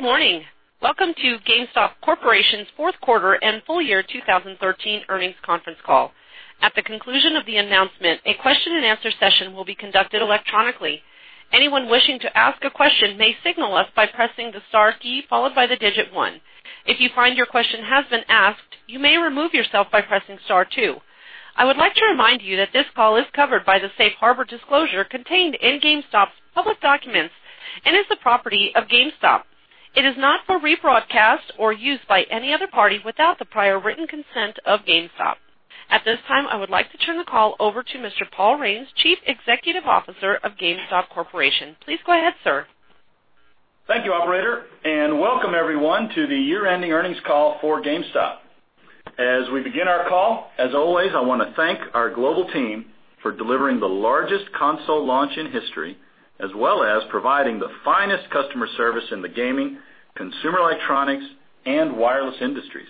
Good morning. Welcome to GameStop Corporation's fourth quarter and full year 2013 earnings conference call. At the conclusion of the announcement, a question and answer session will be conducted electronically. Anyone wishing to ask a question may signal us by pressing the star key, followed by the digit 1. If you find your question has been asked, you may remove yourself by pressing star 2. I would like to remind you that this call is covered by the safe harbor disclosure contained in GameStop's public documents and is the property of GameStop. It is not for rebroadcast or use by any other party without the prior written consent of GameStop. At this time, I would like to turn the call over to Mr. Paul Raines, Chief Executive Officer of GameStop Corporation. Please go ahead, sir. Thank you, operator. Welcome everyone to the year-ending earnings call for GameStop. As we begin our call, as always, I want to thank our global team for delivering the largest console launch in history, as well as providing the finest customer service in the gaming, consumer electronics, and wireless industries.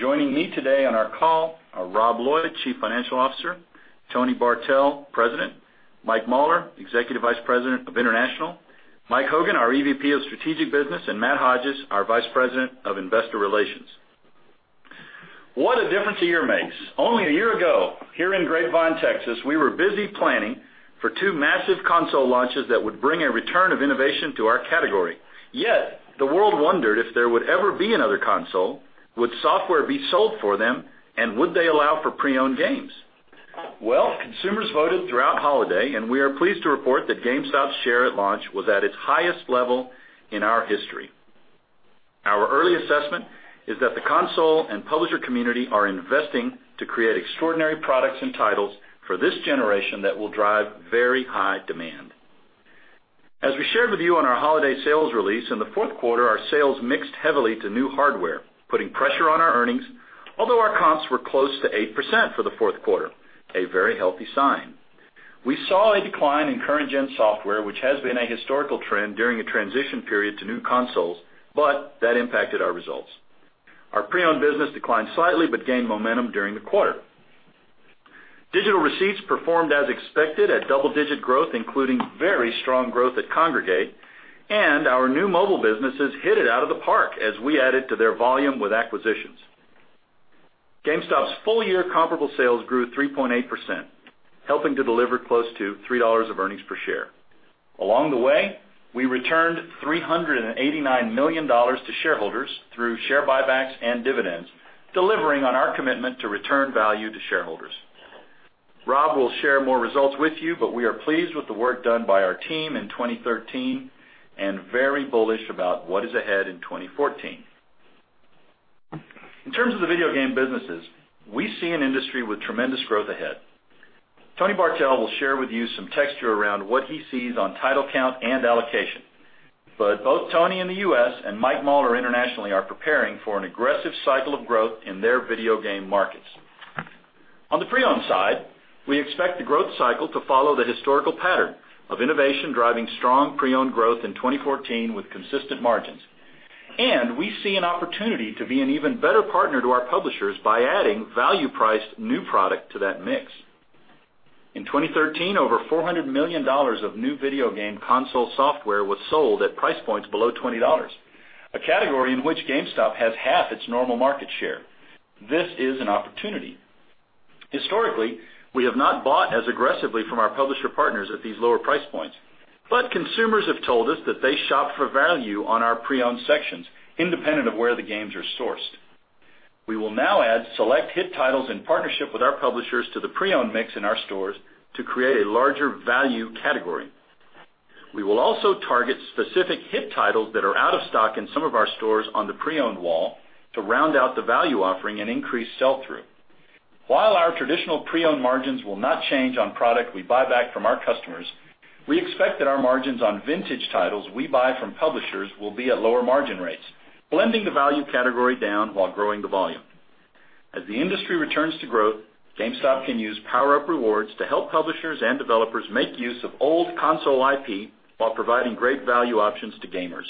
Joining me today on our call are Robert Lloyd, Chief Financial Officer, Tony Bartel, President, Michael Mauler, Executive Vice President of International, Michael Hogan, our EVP of Strategic Business, and Matt Hodges, our Vice President of Investor Relations. What a difference a year makes. Only a year ago, here in Grapevine, Texas, we were busy planning for two massive console launches that would bring a return of innovation to our category. The world wondered if there would ever be another console, would software be sold for them, and would they allow for pre-owned games? Well, consumers voted throughout holiday, and we are pleased to report that GameStop's share at launch was at its highest level in our history. Our early assessment is that the console and publisher community are investing to create extraordinary products and titles for this generation that will drive very high demand. As we shared with you on our holiday sales release, in the fourth quarter, our sales mixed heavily to new hardware, putting pressure on our earnings, although our comps were close to 8% for the fourth quarter, a very healthy sign. We saw a decline in current-gen software, which has been a historical trend during a transition period to new consoles, but that impacted our results. Our pre-owned business declined slightly but gained momentum during the quarter. Digital receipts performed as expected at double-digit growth, including very strong growth at Kongregate. Our new mobile businesses hit it out of the park as we added to their volume with acquisitions. GameStop's full-year comparable sales grew 3.8%, helping to deliver close to $3 of earnings per share. Along the way, we returned $389 million to shareholders through share buybacks and dividends, delivering on our commitment to return value to shareholders. Rob will share more results with you, but we are pleased with the work done by our team in 2013 and very bullish about what is ahead in 2014. In terms of the video game businesses, we see an industry with tremendous growth ahead. Tony Bartel will share with you some texture around what he sees on title count and allocation. Tony in the U.S. and Michael Mauler internationally are preparing for an aggressive cycle of growth in their video game markets. On the pre-owned side, we expect the growth cycle to follow the historical pattern of innovation driving strong pre-owned growth in 2014 with consistent margins. We see an opportunity to be an even better partner to our publishers by adding value-priced new product to that mix. In 2013, over $400 million of new video game console software was sold at price points below $20, a category in which GameStop has half its normal market share. This is an opportunity. Historically, we have not bought as aggressively from our publisher partners at these lower price points, but consumers have told us that they shop for value on our pre-owned sections, independent of where the games are sourced. We will now add select hit titles in partnership with our publishers to the pre-owned mix in our stores to create a larger value category. We will also target specific hit titles that are out of stock in some of our stores on the pre-owned wall to round out the value offering and increase sell-through. While our traditional pre-owned margins will not change on product we buy back from our customers, we expect that our margins on vintage titles we buy from publishers will be at lower margin rates, blending the value category down while growing the volume. As the industry returns to growth, GameStop can use PowerUp Rewards to help publishers and developers make use of old console IP while providing great value options to gamers.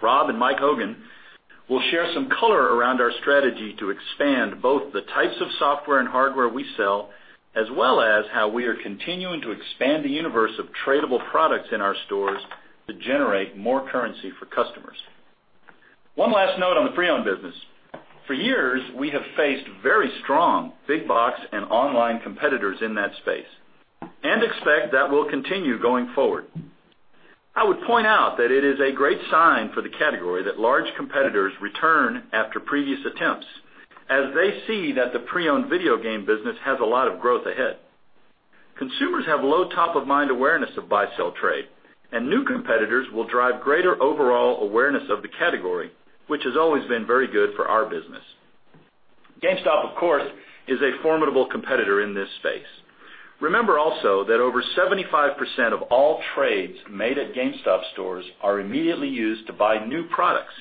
Rob and Michael Hogan will share some color around our strategy to expand both the types of software and hardware we sell, as well as how we are continuing to expand the universe of tradable products in our stores to generate more currency for customers. One last note on the pre-owned business. For years, we have faced very strong big box and online competitors in that space and expect that will continue going forward. I would point out that it is a great sign for the category that large competitors return after previous attempts as they see that the pre-owned video game business has a lot of growth ahead. Consumers have low top-of-mind awareness of buy-sell trade, and new competitors will drive greater overall awareness of the category, which has always been very good for our business. GameStop, of course, is a formidable competitor in this space. Remember also that over 75% of all trades made at GameStop stores are immediately used to buy new products,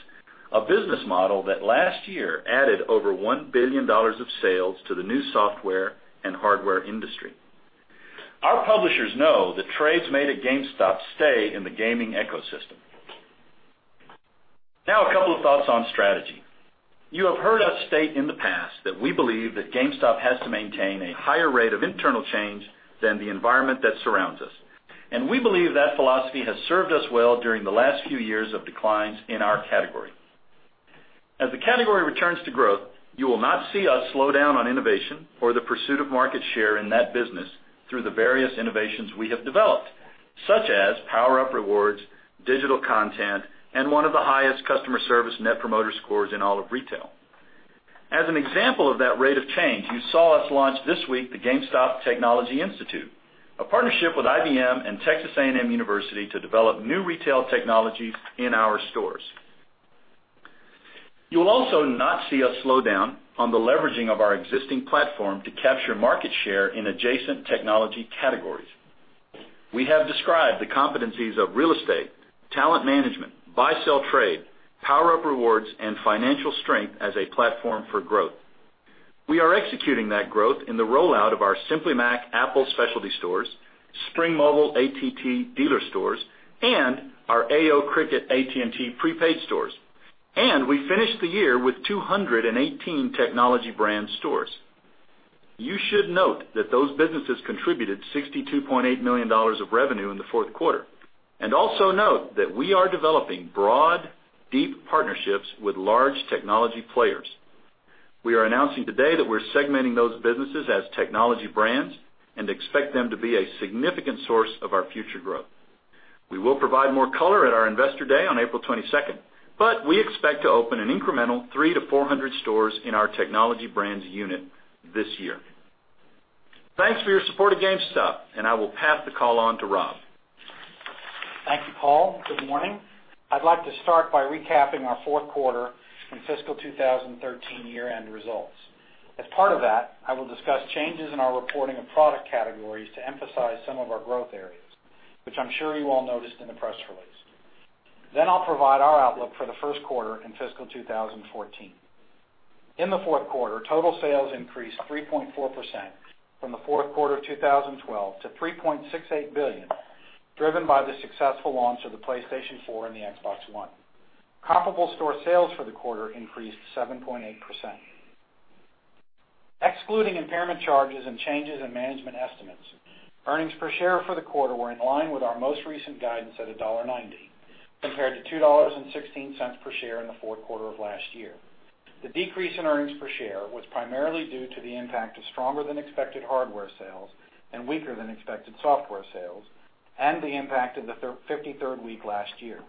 a business model that last year added over $1 billion of sales to the new software and hardware industry. Our publishers know that trades made at GameStop stay in the gaming ecosystem. A couple of thoughts on strategy. You have heard us state in the past that we believe that GameStop has to maintain a higher rate of internal change than the environment that surrounds us, we believe that philosophy has served us well during the last few years of declines in our category. As the category returns to growth, you will not see us slow down on innovation or the pursuit of market share in that business through the various innovations we have developed, such as PowerUp Rewards, digital content, and one of the highest customer service net promoter scores in all of retail. As an example of that rate of change, you saw us launch this week the GameStop Technology Institute, a partnership with IBM and Texas A&M University to develop new retail technologies in our stores. You will also not see us slow down on the leveraging of our existing platform to capture market share in adjacent technology categories. We have described the competencies of real estate, talent management, buy-sell trade, PowerUp Rewards, and financial strength as a platform for growth. We are executing that growth in the rollout of our Simply Mac Apple specialty stores, Spring Mobile AT&T dealer stores, and our Aio Wireless AT&T prepaid stores, and we finished the year with 218 Technology Brands stores. Also note that those businesses contributed $62.8 million of revenue in the fourth quarter. And also note that we are developing broad, deep partnerships with large technology players. We are announcing today that we're segmenting those businesses as Technology Brands and expect them to be a significant source of our future growth. We will provide more color at our Investor Day on April 22nd, but we expect to open an incremental 300 to 400 stores in our Technology Brands unit this year. Thanks for your support of GameStop, and I will pass the call on to Rob. Thank you, Paul. Good morning. I'd like to start by recapping our fourth quarter and fiscal 2013 year-end results. As part of that, I will discuss changes in our reporting of product categories to emphasize some of our growth areas, which I'm sure you all noticed in the press release. I'll provide our outlook for the first quarter in fiscal 2014. In the fourth quarter, total sales increased 3.4% from the fourth quarter of 2012 to $3.68 billion, driven by the successful launch of the PlayStation 4 and the Xbox One. Comparable store sales for the quarter increased 7.8%. Excluding impairment charges and changes in management estimates, earnings per share for the quarter were in line with our most recent guidance at $1.90, compared to $2.16 per share in the fourth quarter of last year. The decrease in earnings per share was primarily due to the impact of stronger than expected hardware sales and weaker than expected software sales and the impact of the 53rd week last year.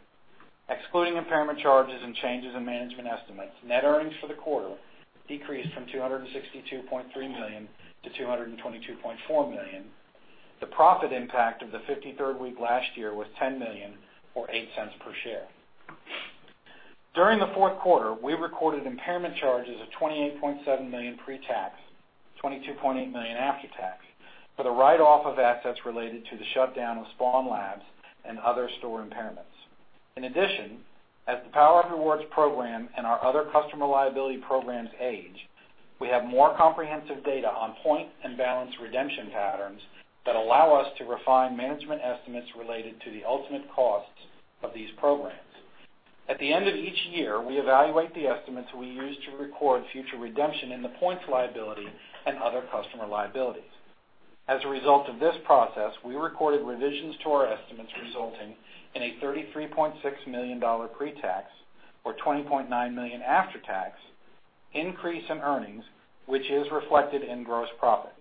Excluding impairment charges and changes in management estimates, net earnings for the quarter decreased from $262.3 million to $222.4 million. The profit impact of the 53rd week last year was $10 million, or $0.08 per share. During the fourth quarter, we recorded impairment charges of $28.7 million pre-tax, $22.8 million after tax, for the write-off of assets related to the shutdown of Spawn Labs and other store impairments. In addition, as the PowerUp Rewards program and our other customer liability programs age, we have more comprehensive data on point and balance redemption patterns that allow us to refine management estimates related to the ultimate costs of these programs. At the end of each year, we evaluate the estimates we use to record future redemption in the points liability and other customer liabilities. As a result of this process, we recorded revisions to our estimates resulting in a $33.6 million pre-tax, or $20.9 million after tax, increase in earnings, which is reflected in gross profit.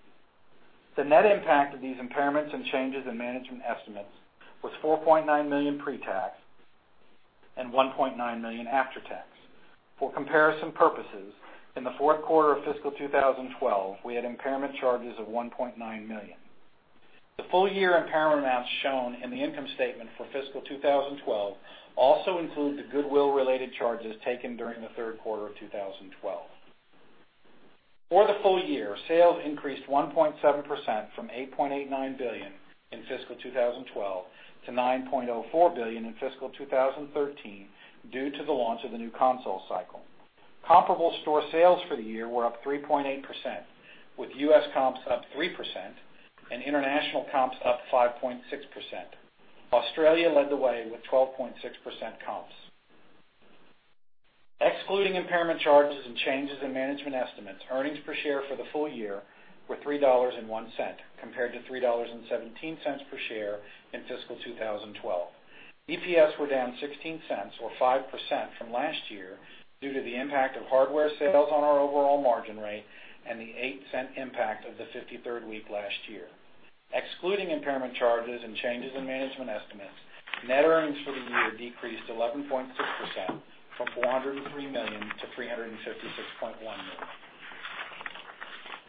The net impact of these impairments and changes in management estimates was $4.9 million pre-tax and $1.9 million after tax. For comparison purposes, in the fourth quarter of fiscal 2012, we had impairment charges of $1.9 million. The full year impairment amounts shown in the income statement for fiscal 2012 also include the goodwill-related charges taken during the third quarter of 2012. For the full year, sales increased 1.7% from $8.89 billion in fiscal 2012 to $9.04 billion in fiscal 2013 due to the launch of the new console cycle. Comparable store sales for the year were up 3.8%, with U.S. comps up 3% and international comps up 5.6%. Australia led the way with 12.6% comps. Excluding impairment charges and changes in management estimates, earnings per share for the full year were $3.01 compared to $3.17 per share in fiscal 2012. EPS were down $0.16 or 5% from last year due to the impact of hardware sales on our overall margin rate and the $0.08 impact of the 53rd week last year. Excluding impairment charges and changes in management estimates, net earnings for the year decreased 11.6%, from $403 million to $356.1 million.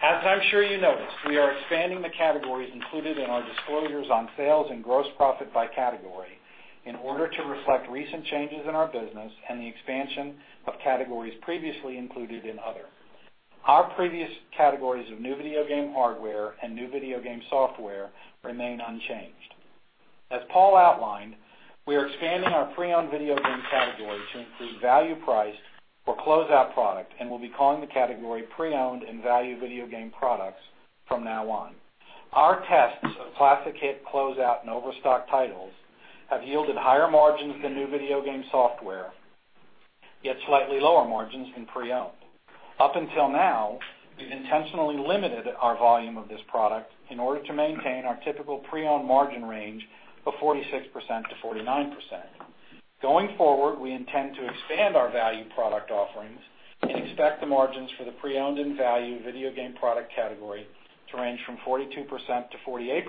As I'm sure you noticed, we are expanding the categories included in our disclosures on sales and gross profit by category in order to reflect recent changes in our business and the expansion of categories previously included in Other. Our previous categories of new video game hardware and new video game software remain unchanged. As Paul outlined, we are expanding our pre-owned video game category to include value priced or closeout product, and we'll be calling the category pre-owned and value video game products from now on. Our tests of classic hit closeout and overstock titles have yielded higher margins than new video game software, yet slightly lower margins than pre-owned. Up until now, we've intentionally limited our volume of this product in order to maintain our typical pre-owned margin range of 46%-49%. Going forward, we intend to expand our value product offerings and expect the margins for the pre-owned and value video game product category to range from 42%-48%,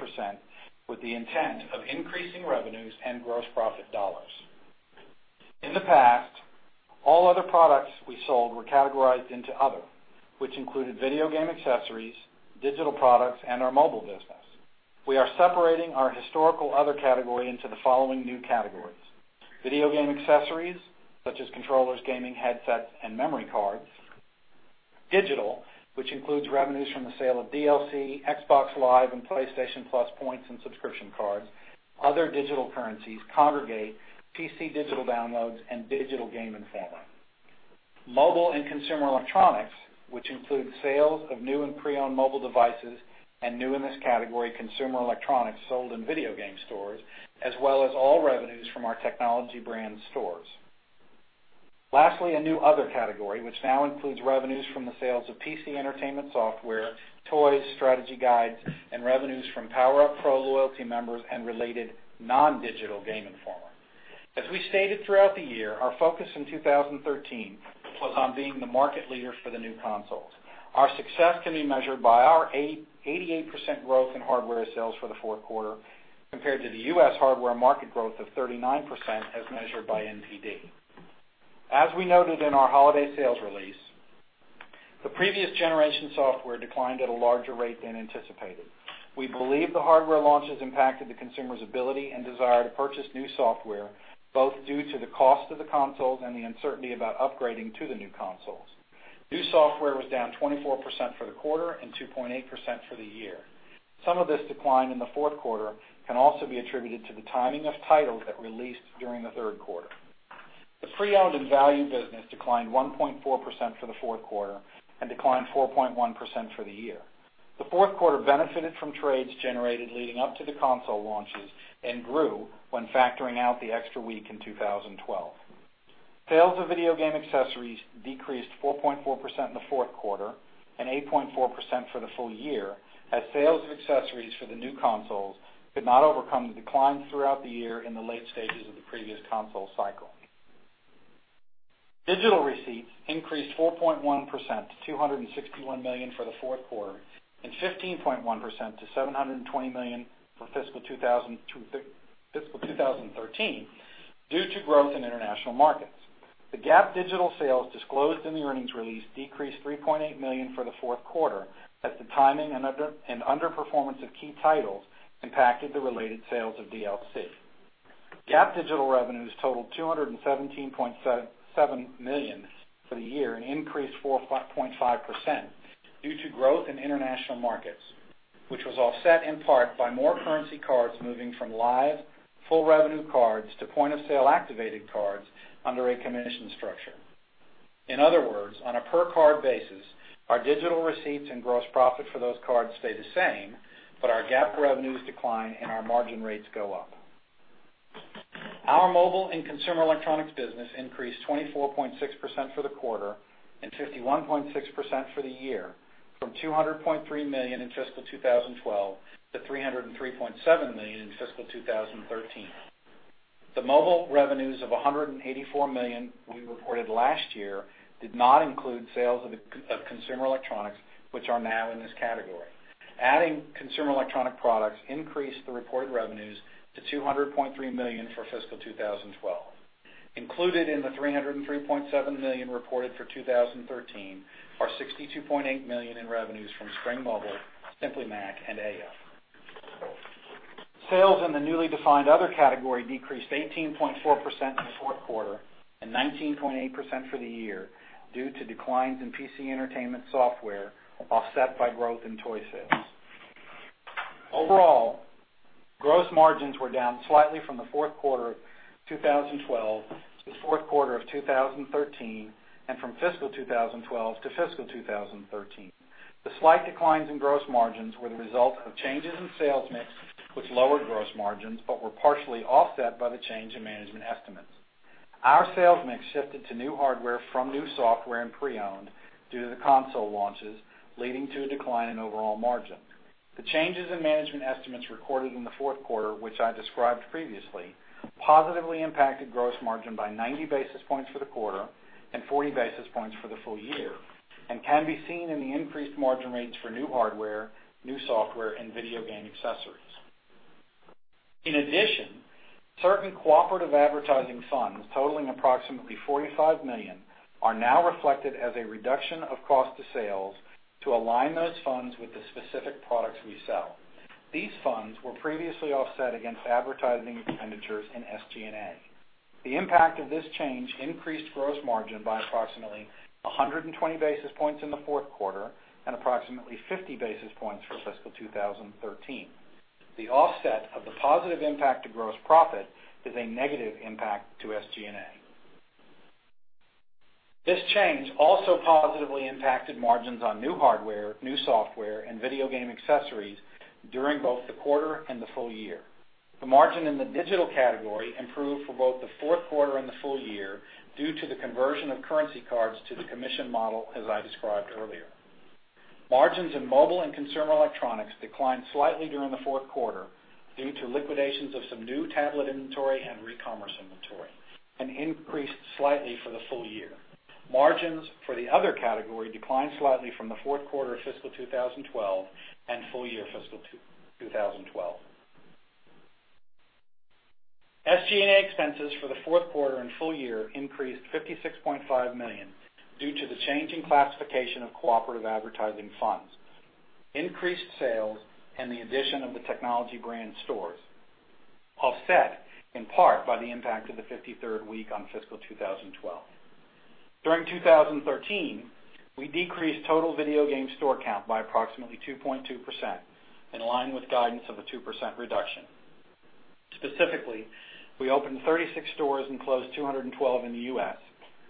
with the intent of increasing revenues and gross profit dollars. In the past, all other products we sold were categorized into other, which included video game accessories, digital products, and our mobile business. We are separating our historical other category into the following new categories: video game accessories, such as controllers, gaming headsets, and memory cards; digital, which includes revenues from the sale of DLC, Xbox Live, and PlayStation Plus points and subscription cards, other digital currencies, Kongregate, PC digital downloads, and digital Game Informer. Mobile and consumer electronics, which include sales of new and pre-owned mobile devices and, new in this category, consumer electronics sold in video game stores, as well as all revenues from our Technology Brands stores. Lastly, a new other category, which now includes revenues from the sales of PC entertainment software, toys, strategy guides, and revenues from PowerUp Rewards Pro loyalty members and related non-digital Game Informer. As we stated throughout the year, our focus in 2013 was on being the market leader for the new consoles. Our success can be measured by our 88% growth in hardware sales for the fourth quarter compared to the U.S. hardware market growth of 39% as measured by NPD. As we noted in our holiday sales release, the previous generation software declined at a larger rate than anticipated. We believe the hardware launches impacted the consumer's ability and desire to purchase new software, both due to the cost of the consoles and the uncertainty about upgrading to the new consoles. New software was down 24% for the quarter and 2.8% for the year. Some of this decline in the fourth quarter can also be attributed to the timing of titles that released during the third quarter. The pre-owned and value business declined 1.4% for the fourth quarter and declined 4.1% for the year. The fourth quarter benefited from trades generated leading up to the console launches and grew when factoring out the extra week in 2012. Sales of video game accessories decreased 4.4% in the fourth quarter and 8.4% for the full year, as sales of accessories for the new consoles could not overcome the decline throughout the year in the late stages of the previous console cycle. Digital receipts increased 4.1% to $261 million for the fourth quarter and 15.1% to $720 million for fiscal 2013 due to growth in international markets. The GAAP digital sales disclosed in the earnings release decreased $3.8 million for the fourth quarter as the timing and underperformance of key titles impacted the related sales of DLC. GAAP digital revenues totaled $217.7 million for the year, an increase of 4.5% due to growth in international markets, which was offset in part by more currency cards moving from live full revenue cards to point-of-sale-activated cards under a commission structure. In other words, on a per-card basis, our digital receipts and gross profit for those cards stay the same, but our GAAP revenues decline and our margin rates go up. Our mobile and consumer electronics business increased 24.6% for the quarter and 51.6% for the year from $200.3 million in fiscal 2012 to $303.7 million in fiscal 2013. The mobile revenues of $184 million we reported last year did not include sales of consumer electronics, which are now in this category. Adding consumer electronic products increased the reported revenues to $200.3 million for fiscal 2012. Included in the $303.7 million reported for 2013 are $62.8 million in revenues from Spring Mobile, Simply Mac, and Aio. Sales in the newly defined other category decreased 18.4% in the fourth quarter and 19.8% for the year due to declines in PC entertainment software, offset by growth in toy sales. Overall, gross margins were down slightly from the fourth quarter of 2012 to the fourth quarter of 2013 and from fiscal 2012 to fiscal 2013. The slight declines in gross margins were the result of changes in sales mix, which lowered gross margins but were partially offset by the change in management estimates. Our sales mix shifted to new hardware from new software and pre-owned due to the console launches, leading to a decline in overall margin. The changes in management estimates recorded in the fourth quarter, which I described previously, positively impacted gross margin by 90 basis points for the quarter and 40 basis points for the full year and can be seen in the increased margin rates for new hardware, new software, and video game accessories. In addition, certain cooperative advertising funds totaling approximately $45 million are now reflected as a reduction of cost to sales to align those funds with the specific products we sell. These funds were previously offset against advertising expenditures in SG&A. The impact of this change increased gross margin by approximately 120 basis points in the fourth quarter and approximately 50 basis points for fiscal 2013. The offset of the positive impact to gross profit is a negative impact to SG&A. This change also positively impacted margins on new hardware, new software, and video game accessories during both the quarter and the full year. The margin in the digital category improved for both the fourth quarter and the full year due to the conversion of currency cards to the commission model, as I described earlier. Margins in mobile and consumer electronics declined slightly during the fourth quarter due to liquidations of some new tablet inventory and recommerce inventory and increased slightly for the full year. Margins for the other category declined slightly from the fourth quarter of fiscal 2012 and full year fiscal 2012. SG&A expenses for the fourth quarter and full year increased to $56.5 million due to the change in classification of cooperative advertising funds, increased sales, and the addition of the Technology Brands stores, offset in part by the impact of the 53rd week on fiscal 2012. During 2013, we decreased total video game store count by approximately 2.2%, in line with guidance of a 2% reduction. Specifically, we opened 36 stores and closed 212 in the U.S.,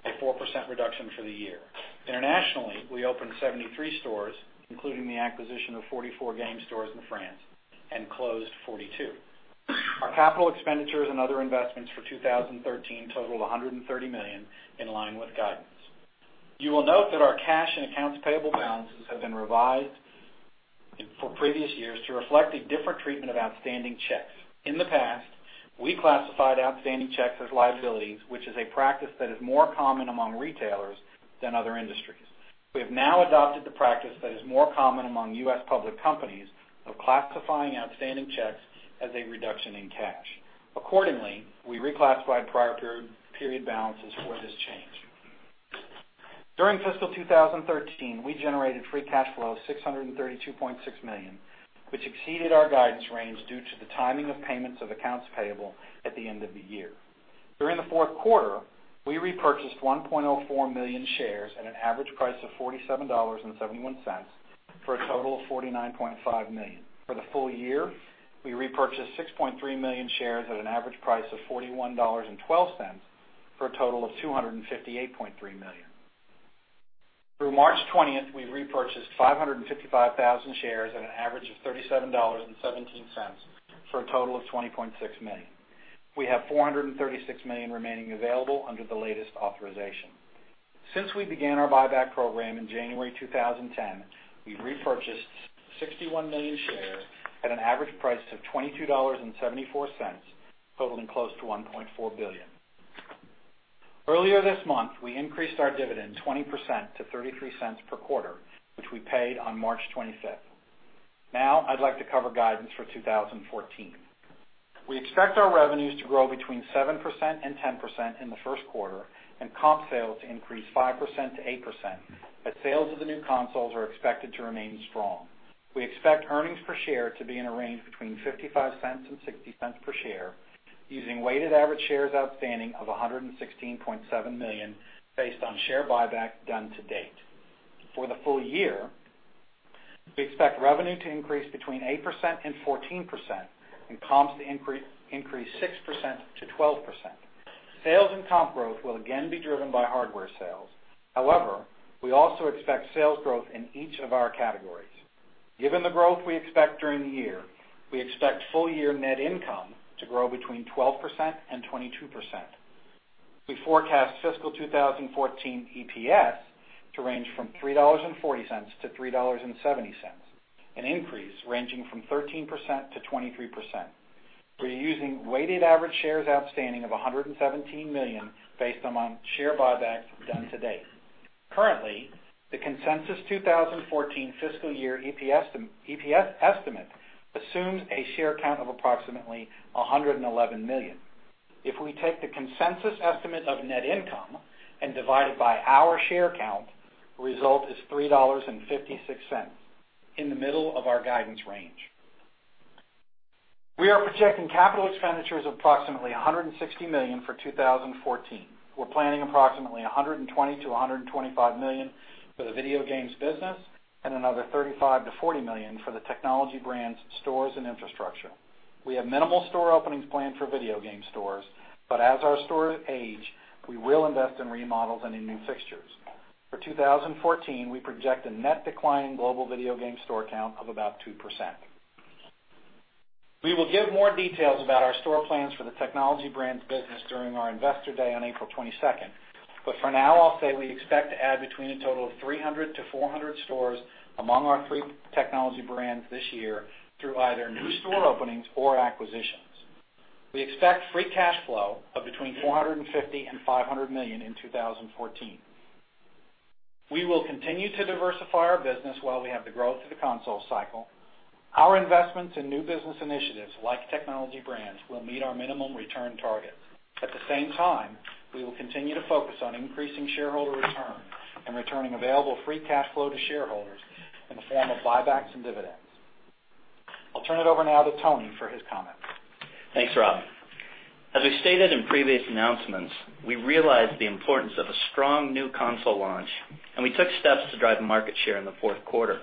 a 4% reduction for the year. Internationally, we opened 73 stores, including the acquisition of 44 game stores in France, and closed 42. Our capital expenditures and other investments for 2013 totaled $130 million, in line with guidance. You will note that our cash and accounts payable balances have been revised for previous years to reflect a different treatment of outstanding checks. In the past, we classified outstanding checks as liabilities, which is a practice that is more common among retailers than other industries. We have now adopted the practice that is more common among U.S. public companies of classifying outstanding checks as a reduction in cash. Accordingly, we reclassified prior period balances for this change. During fiscal 2013, we generated free cash flow of $632.6 million, which exceeded our guidance range due to the timing of payments of accounts payable at the end of the year. During the fourth quarter, we repurchased 1.04 million shares at an average price of $47.71 for a total of $49.5 million. For the full year, we repurchased 6.3 million shares at an average price of $41.12 for a total of $258.3 million. Through March 20th, we've repurchased 555,000 shares at an average of $37.17 for a total of $20.6 million. We have $436 million remaining available under the latest authorization. Since we began our buyback program in January 2010, we've repurchased 61 million shares at an average price of $22.74, totaling close to $1.4 billion. Earlier this month, we increased our dividend 20% to $0.33 per quarter, which we paid on March 25th. Now I'd like to cover guidance for 2014. We expect our revenues to grow between 7% and 10% in the first quarter and comp sales to increase 5%-8%, as sales of the new consoles are expected to remain strong. We expect earnings per share to be in a range between $0.55 and $0.60 per share using weighted average shares outstanding of 116.7 million based on share buyback done to date. For the full year, we expect revenue to increase between 8% and 14% and comps to increase 6%-12%. Sales and comp growth will again be driven by hardware sales. We also expect sales growth in each of our categories. Given the growth we expect during the year, we expect full-year net income to grow between 12% and 22%. We forecast fiscal 2014 EPS to range from $3.40-$3.70, an increase ranging from 13%-23%. We're using weighted average shares outstanding of 117 million based among share buybacks done to date. Currently, the consensus 2014 fiscal year EPS estimate assumes a share count of approximately 111 million. If we take the consensus estimate of net income and divide it by our share count, the result is $3.56, in the middle of our guidance range. We are projecting capital expenditures of approximately $160 million for 2014. We're planning approximately $120 million-$125 million for the video games business and another $35 million-$40 million for the Technology Brands, stores, and infrastructure. We have minimal store openings planned for video game stores. As our stores age, we will invest in remodels and in new fixtures. For 2014, we project a net decline in global video game store count of about 2%. We will give more details about our store plans for the Technology Brands business during our Investor Day on April 22nd. For now, I'll say we expect to add between a total of 300 to 400 stores among our three Technology Brands this year through either new store openings or acquisitions. We expect free cash flow of between $450 million and $500 million in 2014. We will continue to diversify our business while we have the growth of the console cycle. Our investments in new business initiatives, like Technology Brands, will meet our minimum return targets. At the same time, we will continue to focus on increasing shareholder return and returning available free cash flow to shareholders in the form of buybacks and dividends. I'll turn it over now to Tony for his comments. Thanks, Rob. As we stated in previous announcements, we realized the importance of a strong new console launch. We took steps to drive market share in the fourth quarter.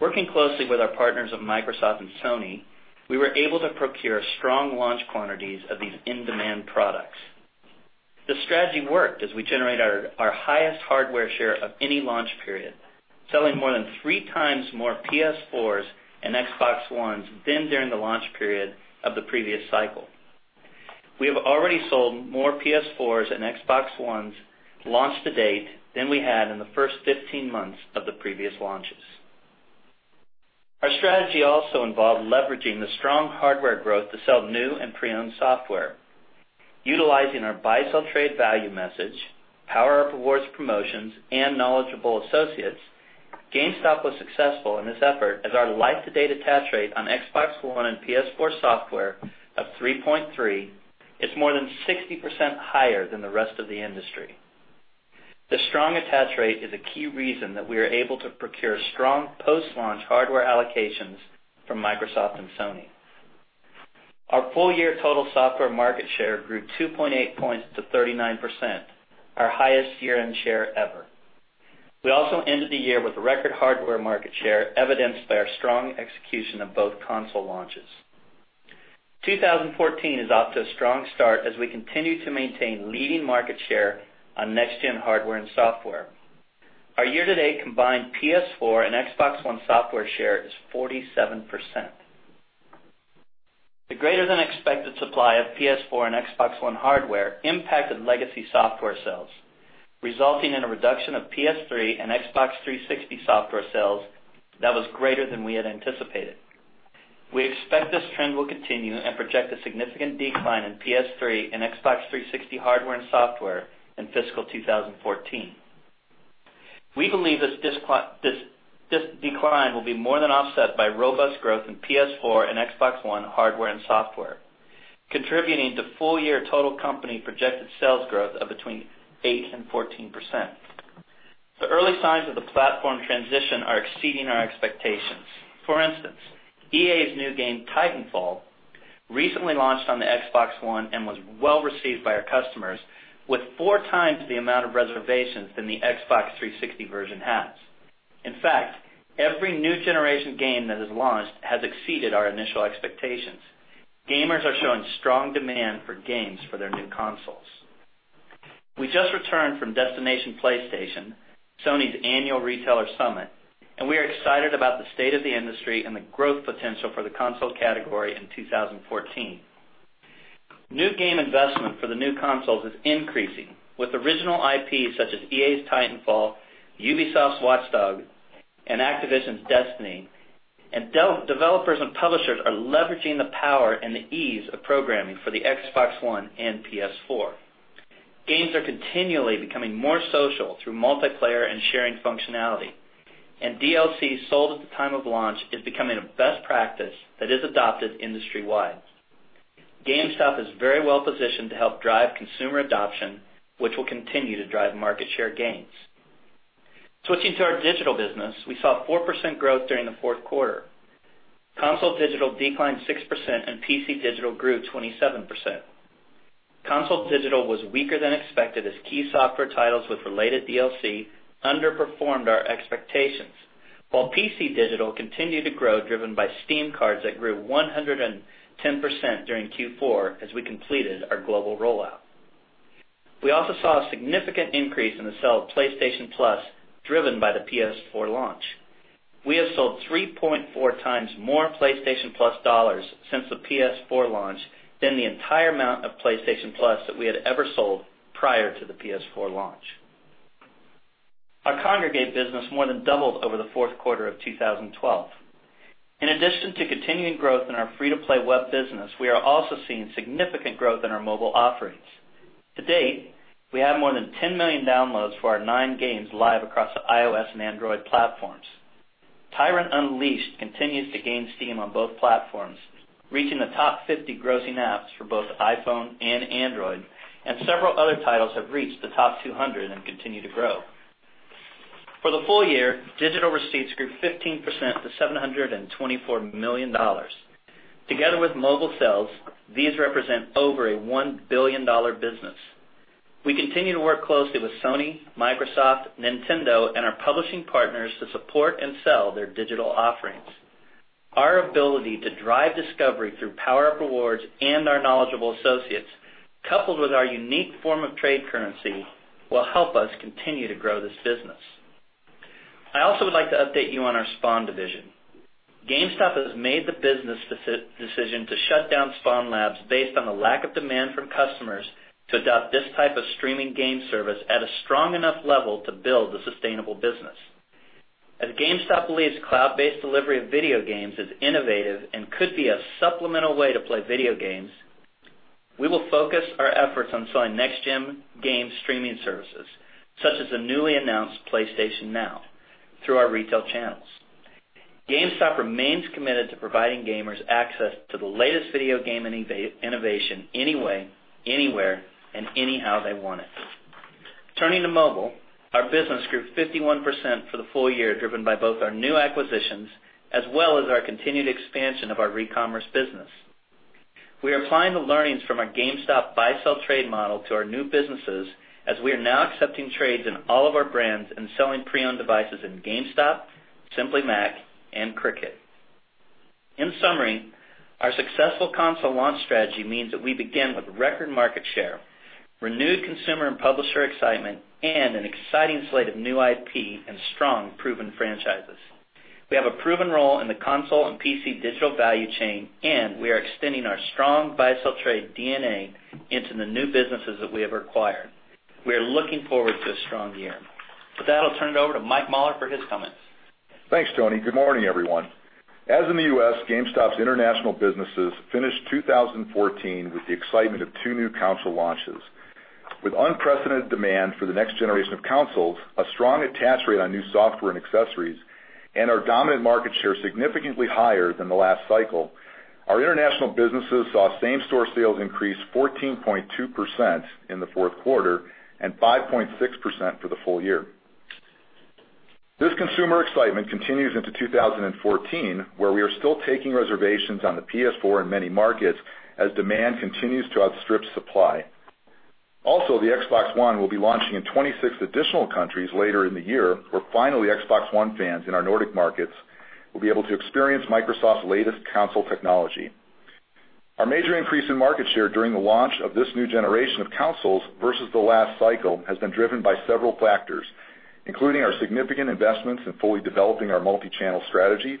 Working closely with our partners at Microsoft and Sony, we were able to procure strong launch quantities of these in-demand products. The strategy worked as we generate our highest hardware share of any launch period, selling more than three times more PS4s and Xbox Ones than during the launch period of the previous cycle. We have already sold more PS4s and Xbox Ones launch to date than we had in the first 15 months of the previous launches. Our strategy also involved leveraging the strong hardware growth to sell new and pre-owned software. Utilizing our buy, sell, trade value message, PowerUp Rewards promotions, and knowledgeable associates, GameStop was successful in this effort as our life-to-date attach rate on Xbox One and PS4 software of 3.3 is more than 60% higher than the rest of the industry. The strong attach rate is a key reason that we are able to procure strong post-launch hardware allocations from Microsoft and Sony. Our full year total software market share grew 2.8 points to 39%, our highest year-end share ever. We also ended the year with a record hardware market share, evidenced by our strong execution of both console launches. 2014 is off to a strong start as we continue to maintain leading market share on next-gen hardware and software. Our year-to-date combined PS4 and Xbox One software share is 47%. The greater than expected supply of PS4 and Xbox One hardware impacted legacy software sales, resulting in a reduction of PS3 and Xbox 360 software sales that was greater than we had anticipated. We expect this trend will continue and project a significant decline in PS3 and Xbox 360 hardware and software in fiscal 2014. We believe this decline will be more than offset by robust growth in PS4 and Xbox One hardware and software, contributing to full-year total company projected sales growth of between 8% and 14%. The early signs of the platform transition are exceeding our expectations. For instance, EA's new game, Titanfall, recently launched on the Xbox One and was well-received by our customers, with four times the amount of reservations than the Xbox 360 version has. In fact, every new generation game that has launched has exceeded our initial expectations. Gamers are showing strong demand for games for their new consoles. We just returned from Destination PlayStation, Sony's annual retailer summit, we are excited about the state of the industry and the growth potential for the console category in 2014. New game investment for the new consoles is increasing, with original IPs such as EA's Titanfall, Ubisoft's Watch Dogs, and Activision's Destiny, and developers and publishers are leveraging the power and the ease of programming for the Xbox One and PS4. Games are continually becoming more social through multiplayer and sharing functionality, and DLC sold at the time of launch is becoming a best practice that is adopted industry-wide. GameStop is very well positioned to help drive consumer adoption, which will continue to drive market share gains. Switching to our digital business, we saw 4% growth during the fourth quarter. Console digital declined 6% and PC digital grew 27%. Console digital was weaker than expected as key software titles with related DLC underperformed our expectations, while PC digital continued to grow, driven by Steam cards that grew 110% during Q4 as we completed our global rollout. We also saw a significant increase in the sale of PlayStation Plus driven by the PS4 launch. We have sold 3.4 times more PlayStation Plus dollars since the PS4 launch than the entire amount of PlayStation Plus that we had ever sold prior to the PS4 launch. Our Kongregate business more than doubled over the fourth quarter of 2012. In addition to continuing growth in our free-to-play web business, we are also seeing significant growth in our mobile offerings. To date, we have more than 10 million downloads for our nine games live across the iOS and Android platforms. Tyrant Unleashed continues to gain steam on both platforms, reaching the top 50 grossing apps for both iPhone and Android. Several other titles have reached the top 200 and continue to grow. For the full year, digital receipts grew 15% to $724 million. Together with mobile sales, these represent over a $1 billion business. We continue to work closely with Sony, Microsoft, Nintendo, and our publishing partners to support and sell their digital offerings. Our ability to drive discovery through PowerUp Rewards and our knowledgeable associates, coupled with our unique form of trade currency, will help us continue to grow this business. I also would like to update you on our Spawn division. GameStop has made the business decision to shut down Spawn Labs based on the lack of demand from customers to adopt this type of streaming game service at a strong enough level to build a sustainable business. As GameStop believes cloud-based delivery of video games is innovative and could be a supplemental way to play video games, we will focus our efforts on selling next-gen game streaming services, such as the newly announced PlayStation Now, through our retail channels. GameStop remains committed to providing gamers access to the latest video game innovation any way, anywhere, and anyhow they want it. Turning to mobile, our business grew 51% for the full year, driven by both our new acquisitions as well as our continued expansion of our ecommerce business. We are applying the learnings from our GameStop buy-sell trade model to our new businesses, as we are now accepting trades in all of our brands and selling pre-owned devices in GameStop, Simply Mac, and Cricket. In summary, our successful console launch strategy means that we begin with record market share, renewed consumer and publisher excitement, and an exciting slate of new IP and strong proven franchises. We have a proven role in the console and PC digital value chain. We are extending our strong buy-sell trade DNA into the new businesses that we have acquired. We are looking forward to a strong year. With that, I'll turn it over to Mike Mauler for his comments. Thanks, Tony. Good morning, everyone. As in the U.S., GameStop's international businesses finished 2014 with the excitement of two new console launches. With unprecedented demand for the next generation of consoles, a strong attach rate on new software and accessories, and our dominant market share significantly higher than the last cycle, our international businesses saw same-store sales increase 14.2% in the fourth quarter and 5.6% for the full year. This consumer excitement continues into 2014, where we are still taking reservations on the PS4 in many markets as demand continues to outstrip supply. Also, the Xbox One will be launching in 26 additional countries later in the year, where finally, Xbox One fans in our Nordic markets will be able to experience Microsoft's latest console technology. Our major increase in market share during the launch of this new generation of consoles versus the last cycle has been driven by several factors, including our significant investments in fully developing our multi-channel strategy,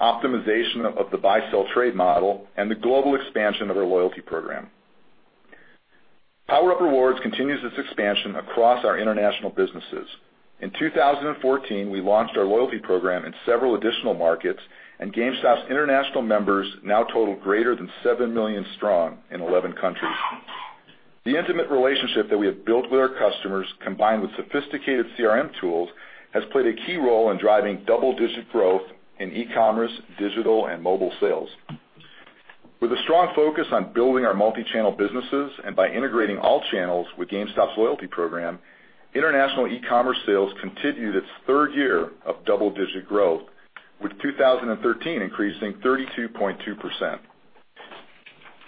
optimization of the buy-sell trade model, and the global expansion of our loyalty program. PowerUp Rewards continues its expansion across our international businesses. In 2014, we launched our loyalty program in several additional markets, and GameStop's international members now total greater than 7 million strong in 11 countries. The intimate relationship that we have built with our customers, combined with sophisticated CRM tools, has played a key role in driving double-digit growth in e-commerce, digital, and mobile sales. With a strong focus on building our multi-channel businesses and by integrating all channels with GameStop's loyalty program, international e-commerce sales continued its third year of double-digit growth, with 2013 increasing 32.2%.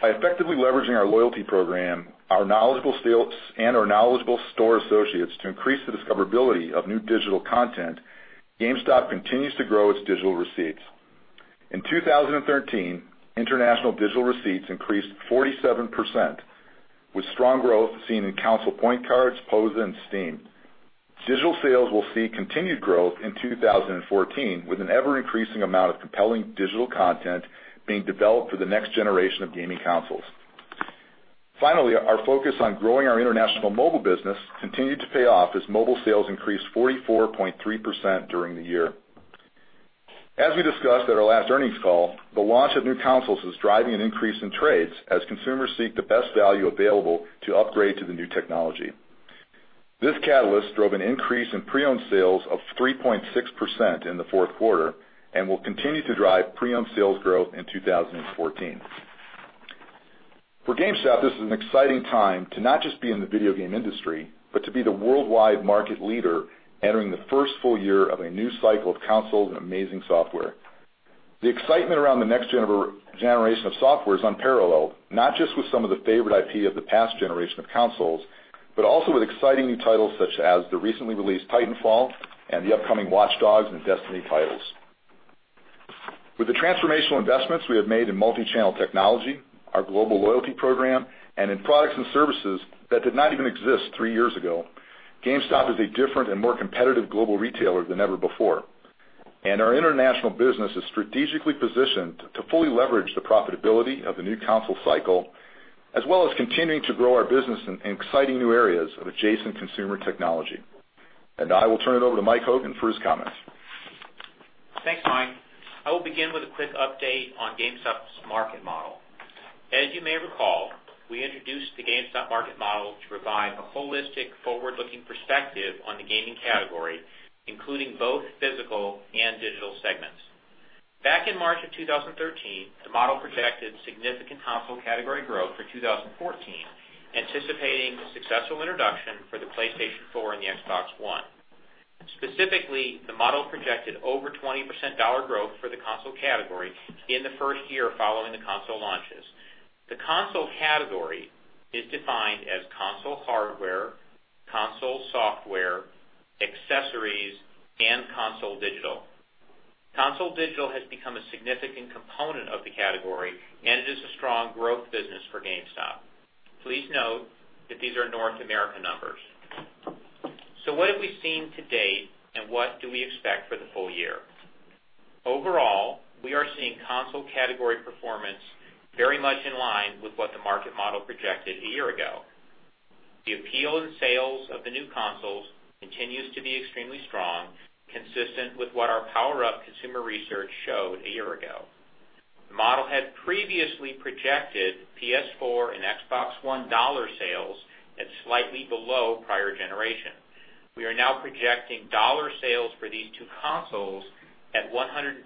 By effectively leveraging our loyalty program and our knowledgeable store associates to increase the discoverability of new digital content, GameStop continues to grow its digital receipts. In 2013, international digital receipts increased 47%, with strong growth seen in console point cards, POS, and Steam. Digital sales will see continued growth in 2014, with an ever-increasing amount of compelling digital content being developed for the next generation of gaming consoles. Finally, our focus on growing our international mobile business continued to pay off as mobile sales increased 44.3% during the year. As we discussed at our last earnings call, the launch of new consoles is driving an increase in trades as consumers seek the best value available to upgrade to the new technology. This catalyst drove an increase in pre-owned sales of 3.6% in the fourth quarter and will continue to drive pre-owned sales growth in 2014. For GameStop, this is an exciting time to not just be in the video game industry, but to be the worldwide market leader entering the first full year of a new cycle of consoles and amazing software. The excitement around the next generation of software is unparalleled, not just with some of the favorite IP of the past generation of consoles, but also with exciting new titles such as the recently released Titanfall and the upcoming Watch Dogs and Destiny titles. With the transformational investments we have made in multi-channel technology, our global loyalty program, and in products and services that did not even exist three years ago, GameStop is a different and more competitive global retailer than ever before. Our international business is strategically positioned to fully leverage the profitability of the new console cycle, as well as continuing to grow our business in exciting new areas of adjacent consumer technology. Now I will turn it over to Michael Hogan for his comments. Thanks, Mike. I will begin with a quick update on GameStop's market model. As you may recall, we introduced the GameStop market model to provide a holistic, forward-looking perspective on the gaming category, including both physical and digital segments. Back in March of 2013, the model projected significant console category growth for 2014, anticipating successful introduction for the PlayStation 4 and the Xbox One. Specifically, the model projected over 20% dollar growth for the console category in the first year following the console launches. The console category is defined as console hardware, console software, accessories, and console digital. Console digital has become a significant component of the category and it is a strong growth business for GameStop. Please note that these are North America numbers. What have we seen to date, and what do we expect for the full year? Overall, we are seeing console category performance very much in line with what the market model projected a year ago. The appeal and sales of the new consoles continues to be extremely strong, consistent with what our PowerUp consumer research showed a year ago. The model had previously projected PS4 and Xbox One dollar sales at slightly below prior generations. We are now projecting dollar sales for these two consoles at 125%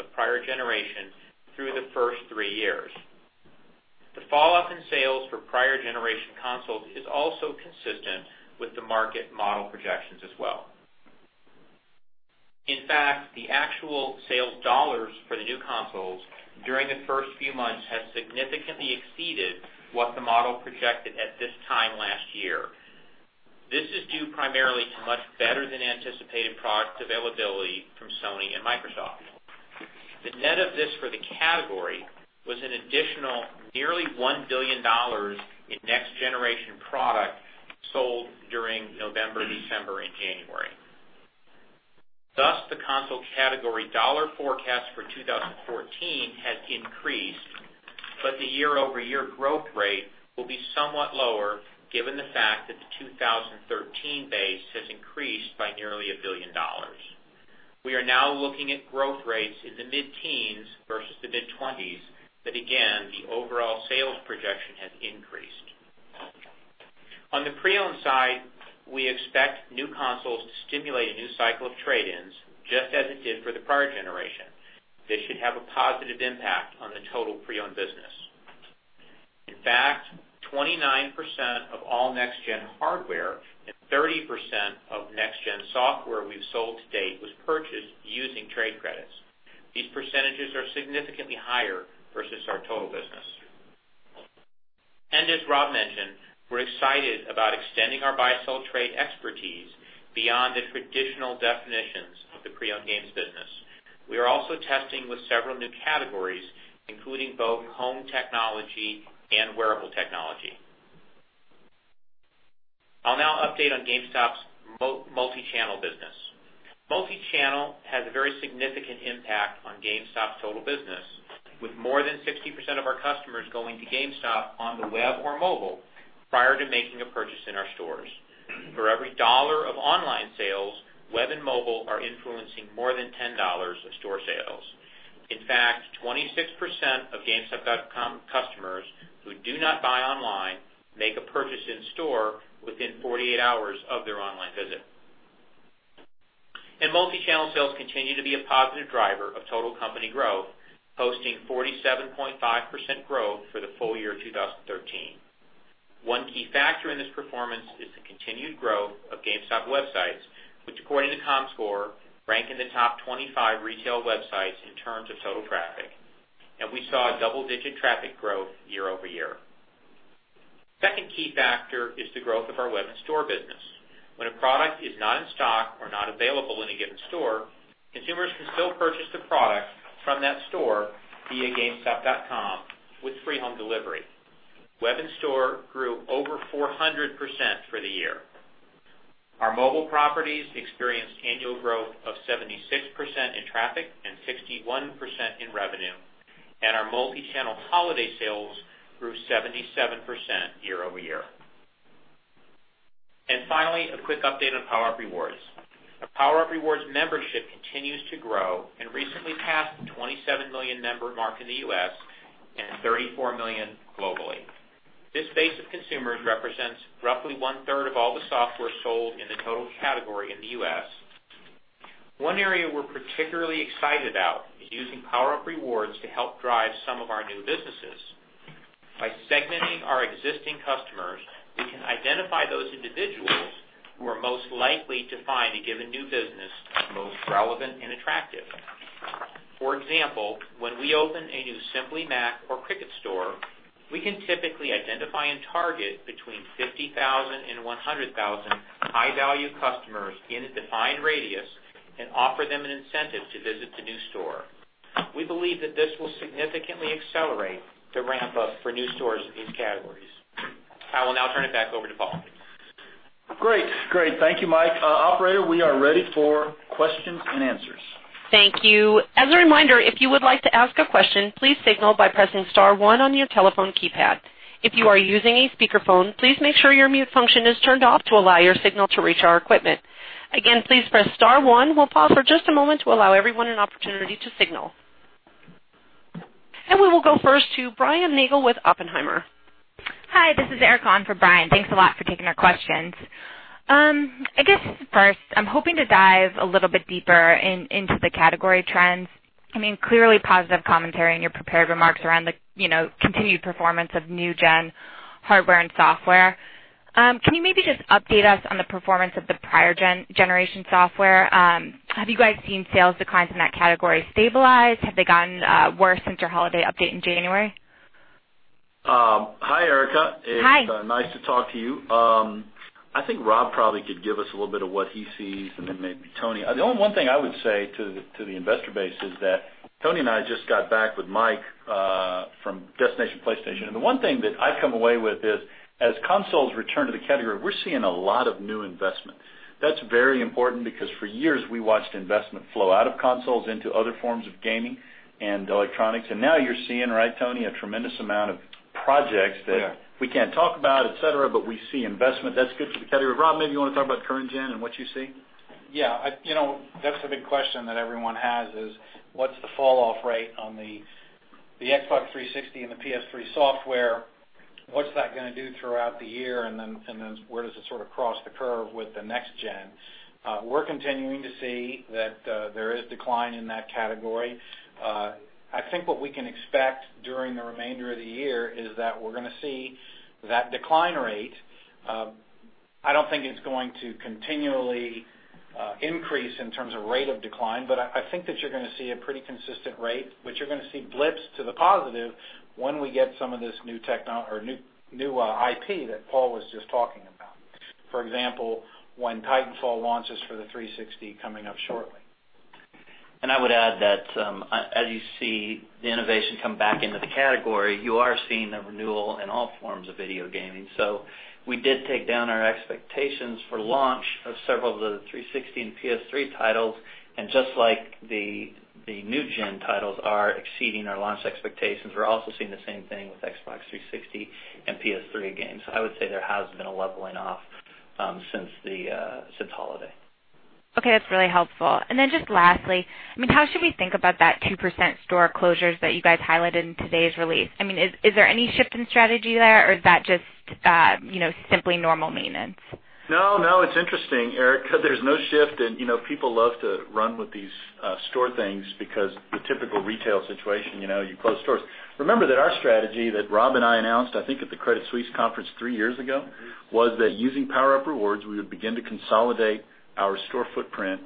of prior generations through the first three years. The falloff in sales for prior generation consoles is also consistent with the market model projections as well. In fact, the actual sales dollars for the new consoles during the first few months has significantly exceeded what the model projected at this time last year. This is due primarily to much better than anticipated product availability from Sony and Microsoft. The net of this for the category was an additional nearly $1 billion in next-generation product sold during November, December, and January. The console category dollar forecast for 2014 has increased, but the year-over-year growth rate will be somewhat lower given the fact that the 2013 base has increased by nearly $1 billion. We are now looking at growth rates in the mid-teens versus the mid-20s, again, the overall sales projection has increased. On the pre-owned side, we expect new consoles to stimulate a new cycle of trade-ins, just as it did for the prior generation. This should have a positive impact on the total pre-owned business. In fact, 29% of all next-gen hardware and 30% of next-gen software we've sold to date was purchased using trade credits. These percentages are significantly higher versus our total business. As Rob mentioned, we're excited about extending our buy/sell trade expertise beyond the traditional definitions of the pre-owned games business. We are also testing with several new categories, including both home technology and wearable technology. I'll now update on GameStop's multi-channel business. Multi-channel has a very significant impact on GameStop's total business, with more than 60% of our customers going to gamestop.com on the web or mobile prior to making a purchase in our stores. For every dollar of online sales, web and mobile are influencing more than $10 of store sales. In fact, 26% of gamestop.com customers who do not buy online make a purchase in store within 48 hours of their online visit. Multi-channel sales continue to be a positive driver of total company growth, posting 47.5% growth for the full year 2013. One key factor in this performance is the continued growth of GameStop websites, which according to comScore, rank in the top 25 retail websites in terms of total traffic. We saw a double-digit traffic growth year-over-year. Second key factor is the growth of our web and store business. When a product is not in stock or not available in a given store, consumers can still purchase the product from that store via gamestop.com with free home delivery. Web and store grew over 400% for the year. Our mobile properties experienced annual growth of 76% in traffic and 61% in revenue, our multi-channel holiday sales grew 77% year-over-year. Finally, a quick update on PowerUp Rewards. Our PowerUp Rewards membership continues to grow and recently passed the 27 million member mark in the U.S. and 34 million globally. This base of consumers represents roughly one-third of all the software sold in the total category in the U.S. One area we're particularly excited about is using PowerUp Rewards to help drive some of our new businesses. By segmenting our existing customers, we can identify those individuals who are most likely to find a given new business most relevant and attractive. For example, when we open a new Simply Mac or Cricket store, we can typically identify and target between 50,000 and 100,000 high-value customers in a defined radius and offer them an incentive to visit the new store. We believe that this will significantly accelerate the ramp-up for new stores in these categories. I will now turn it back over to Paul. Great. Thank you, Mike. Operator, we are ready for questions and answers. Thank you. As a reminder, if you would like to ask a question, please signal by pressing star one on your telephone keypad. If you are using a speakerphone, please make sure your mute function is turned off to allow your signal to reach our equipment. Again, please press star one. We'll pause for just a moment to allow everyone an opportunity to signal. We will go first to Brian Nagel with Oppenheimer. Hi, this is Erica on for Brian. Thanks a lot for taking our questions. I guess first, I am hoping to dive a little bit deeper into the category trends. Clearly positive commentary in your prepared remarks around the continued performance of new-gen hardware and software. Can you maybe just update us on the performance of the prior generation software? Have you guys seen sales declines in that category stabilize? Have they gotten worse since your holiday update in January? Hi, Erica. Hi. It's nice to talk to you. I think Rob probably could give us a little bit of what he sees, and then maybe Tony. The only one thing I would say to the investor base is that Tony and I just got back with Mike from Destination PlayStation, and the one thing that I come away with is, as consoles return to the category, we're seeing a lot of new investment. That's very important because for years, we watched investment flow out of consoles into other forms of gaming and electronics, and now you're seeing, right, Tony, a tremendous amount of projects that- Yeah we can't talk about, et cetera. We see investment. That's good for the category. Rob, maybe you want to talk about current gen and what you see. Yeah. That's the big question that everyone has is, what's the fall-off rate on the Xbox 360 and the PS3 software, what's that going to do throughout the year, and then where does it sort of cross the curve with the next gen? We're continuing to see that there is decline in that category. I think what we can expect during the remainder of the year is that we're going to see that decline rate I don't think it's going to continually increase in terms of rate of decline, but I think that you're going to see a pretty consistent rate, but you're going to see blips to the positive when we get some of this new IP that Paul was just talking about. For example, when Titanfall launches for the 360 coming up shortly. I would add that, as you see the innovation come back into the category, you are seeing a renewal in all forms of video gaming. We did take down our expectations for launch of several of the 360 and PS3 titles, and just like the new gen titles are exceeding our launch expectations, we're also seeing the same thing with Xbox 360 and PS3 games. I would say there has been a leveling off since holiday. Okay. That's really helpful. Just lastly, how should we think about that 2% store closures that you guys highlighted in today's release? I mean, is there any shift in strategy there, or is that just simply normal maintenance? No, it's interesting, Erica. There's no shift, and people love to run with these store things because the typical retail situation, you close stores. Remember that our strategy that Rob and I announced, I think at the Credit Suisse conference three years ago, was that using PowerUp Rewards, we would begin to consolidate our store footprint,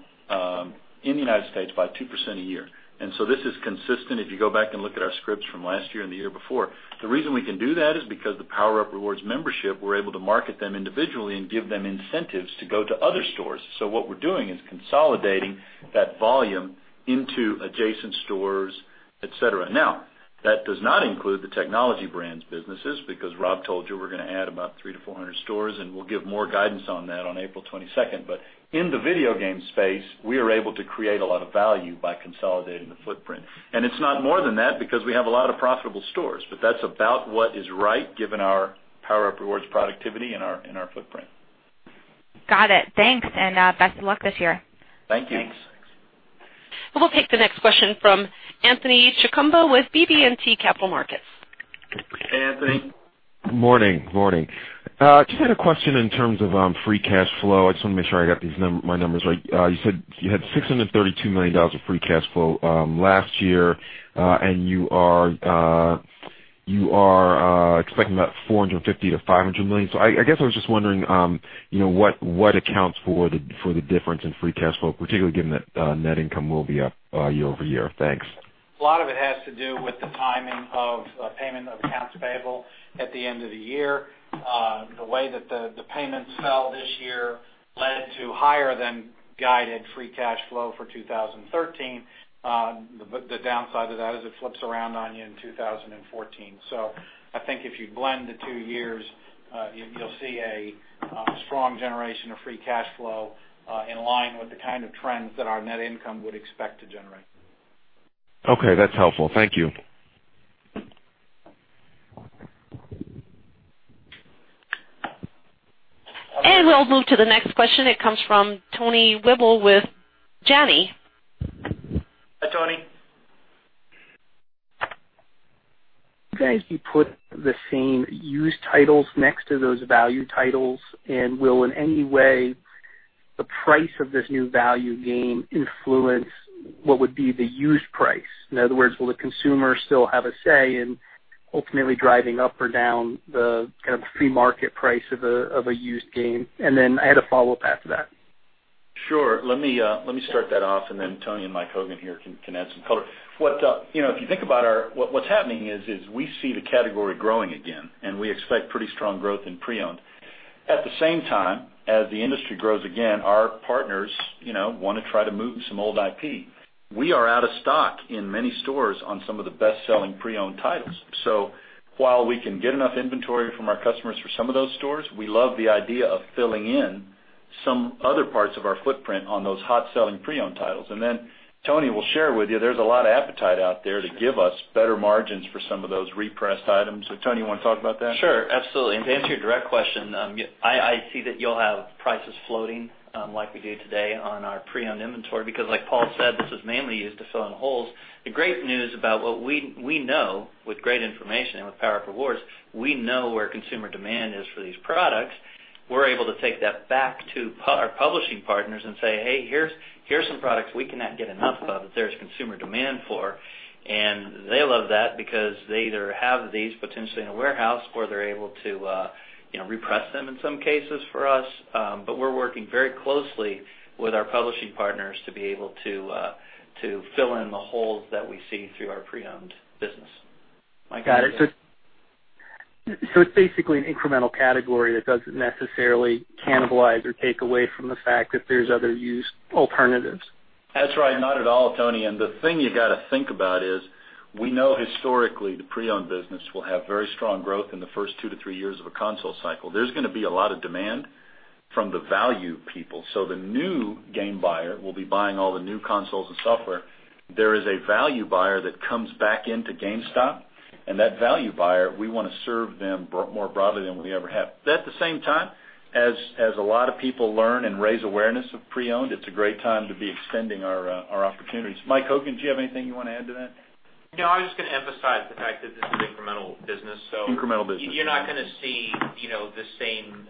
in the U.S. by 2% a year. This is consistent if you go back and look at our scripts from last year and the year before. The reason we can do that is because the PowerUp Rewards membership, we're able to market them individually and give them incentives to go to other stores. What we're doing is consolidating that volume into adjacent stores, et cetera. That does not include the Technology Brands businesses because Rob told you we're going to add about 300-400 stores, and we'll give more guidance on that on April 22nd. In the video game space, we are able to create a lot of value by consolidating the footprint. It's not more than that because we have a lot of profitable stores, but that's about what is right given our PowerUp Rewards productivity and our footprint. Got it. Thanks, and best of luck this year. Thank you. Thanks. We'll take the next question from Anthony Chukumba with BB&T Capital Markets. Hey, Anthony. Morning. Just had a question in terms of free cash flow. I just want to make sure I got my numbers right. You said you had $632 million of free cash flow last year, and you are expecting about $450 million-$500 million. I guess I was just wondering, what accounts for the difference in free cash flow, particularly given that net income will be up year-over-year. Thanks. A lot of it has to do with the timing of payment of accounts payable at the end of the year. The way that the payments fell q year led to higher than guided free cash flow for 2013. The downside of that is it flips around on you in 2014. I think if you blend the two years, you'll see a strong generation of free cash flow, in line with the kind of trends that our net income would expect to generate. Okay. That's helpful. Thank you. We'll move to the next question. It comes from Tony Wible with Janney. Hi, Tony. Do you guys put the same used titles next to those value titles? Will in any way the price of this new value game influence what would be the used price? In other words, will the consumer still have a say in ultimately driving up or down the kind of free market price of a used game? Then I had a follow-up after that. Sure. Let me start that off, then Tony and Michael Hogan here can add some color. If you think about what's happening is we see the category growing again, we expect pretty strong growth in pre-owned. At the same time, as the industry grows again, our partners want to try to move some old IP. We are out of stock in many stores on some of the best-selling pre-owned titles. While we can get enough inventory from our customers for some of those stores, we love the idea of filling in some other parts of our footprint on those hot selling pre-owned titles. Tony will share with you, there's a lot of appetite out there to give us better margins for some of those repressed items. Tony, you want to talk about that? Sure, absolutely. To answer your direct question, I see that you'll have prices floating, like we do today on our pre-owned inventory, because like Paul said, this is mainly used to fill in holes. The great news about what we know with great information and with PowerUp Rewards, we know where consumer demand is for these products. We're able to take that back to our publishing partners and say, "Hey, here's some products we cannot get enough of, that there's consumer demand for." They love that because they either have these potentially in a warehouse, or they're able to repress them in some cases for us. We're working very closely with our publishing partners to be able to fill in the holes that we see through our pre-owned business. Mike, anything? Got it. It's basically an incremental category that doesn't necessarily cannibalize or take away from the fact that there's other used alternatives. That's right. Not at all, Tony. The thing you got to think about is, we know historically the pre-owned business will have very strong growth in the first two to three years of a console cycle. There's going to be a lot of demand from the value people. The new game buyer will be buying all the new consoles and software. There is a value buyer that comes back into GameStop, and that value buyer, we want to serve them more broadly than we ever have. At the same time, as a lot of people learn and raise awareness of pre-owned, it's a great time to be extending our opportunities. Michael Hogan, do you have anything you want to add to that? I was just going to emphasize the fact that this is incremental business. Incremental business You're not going to see the same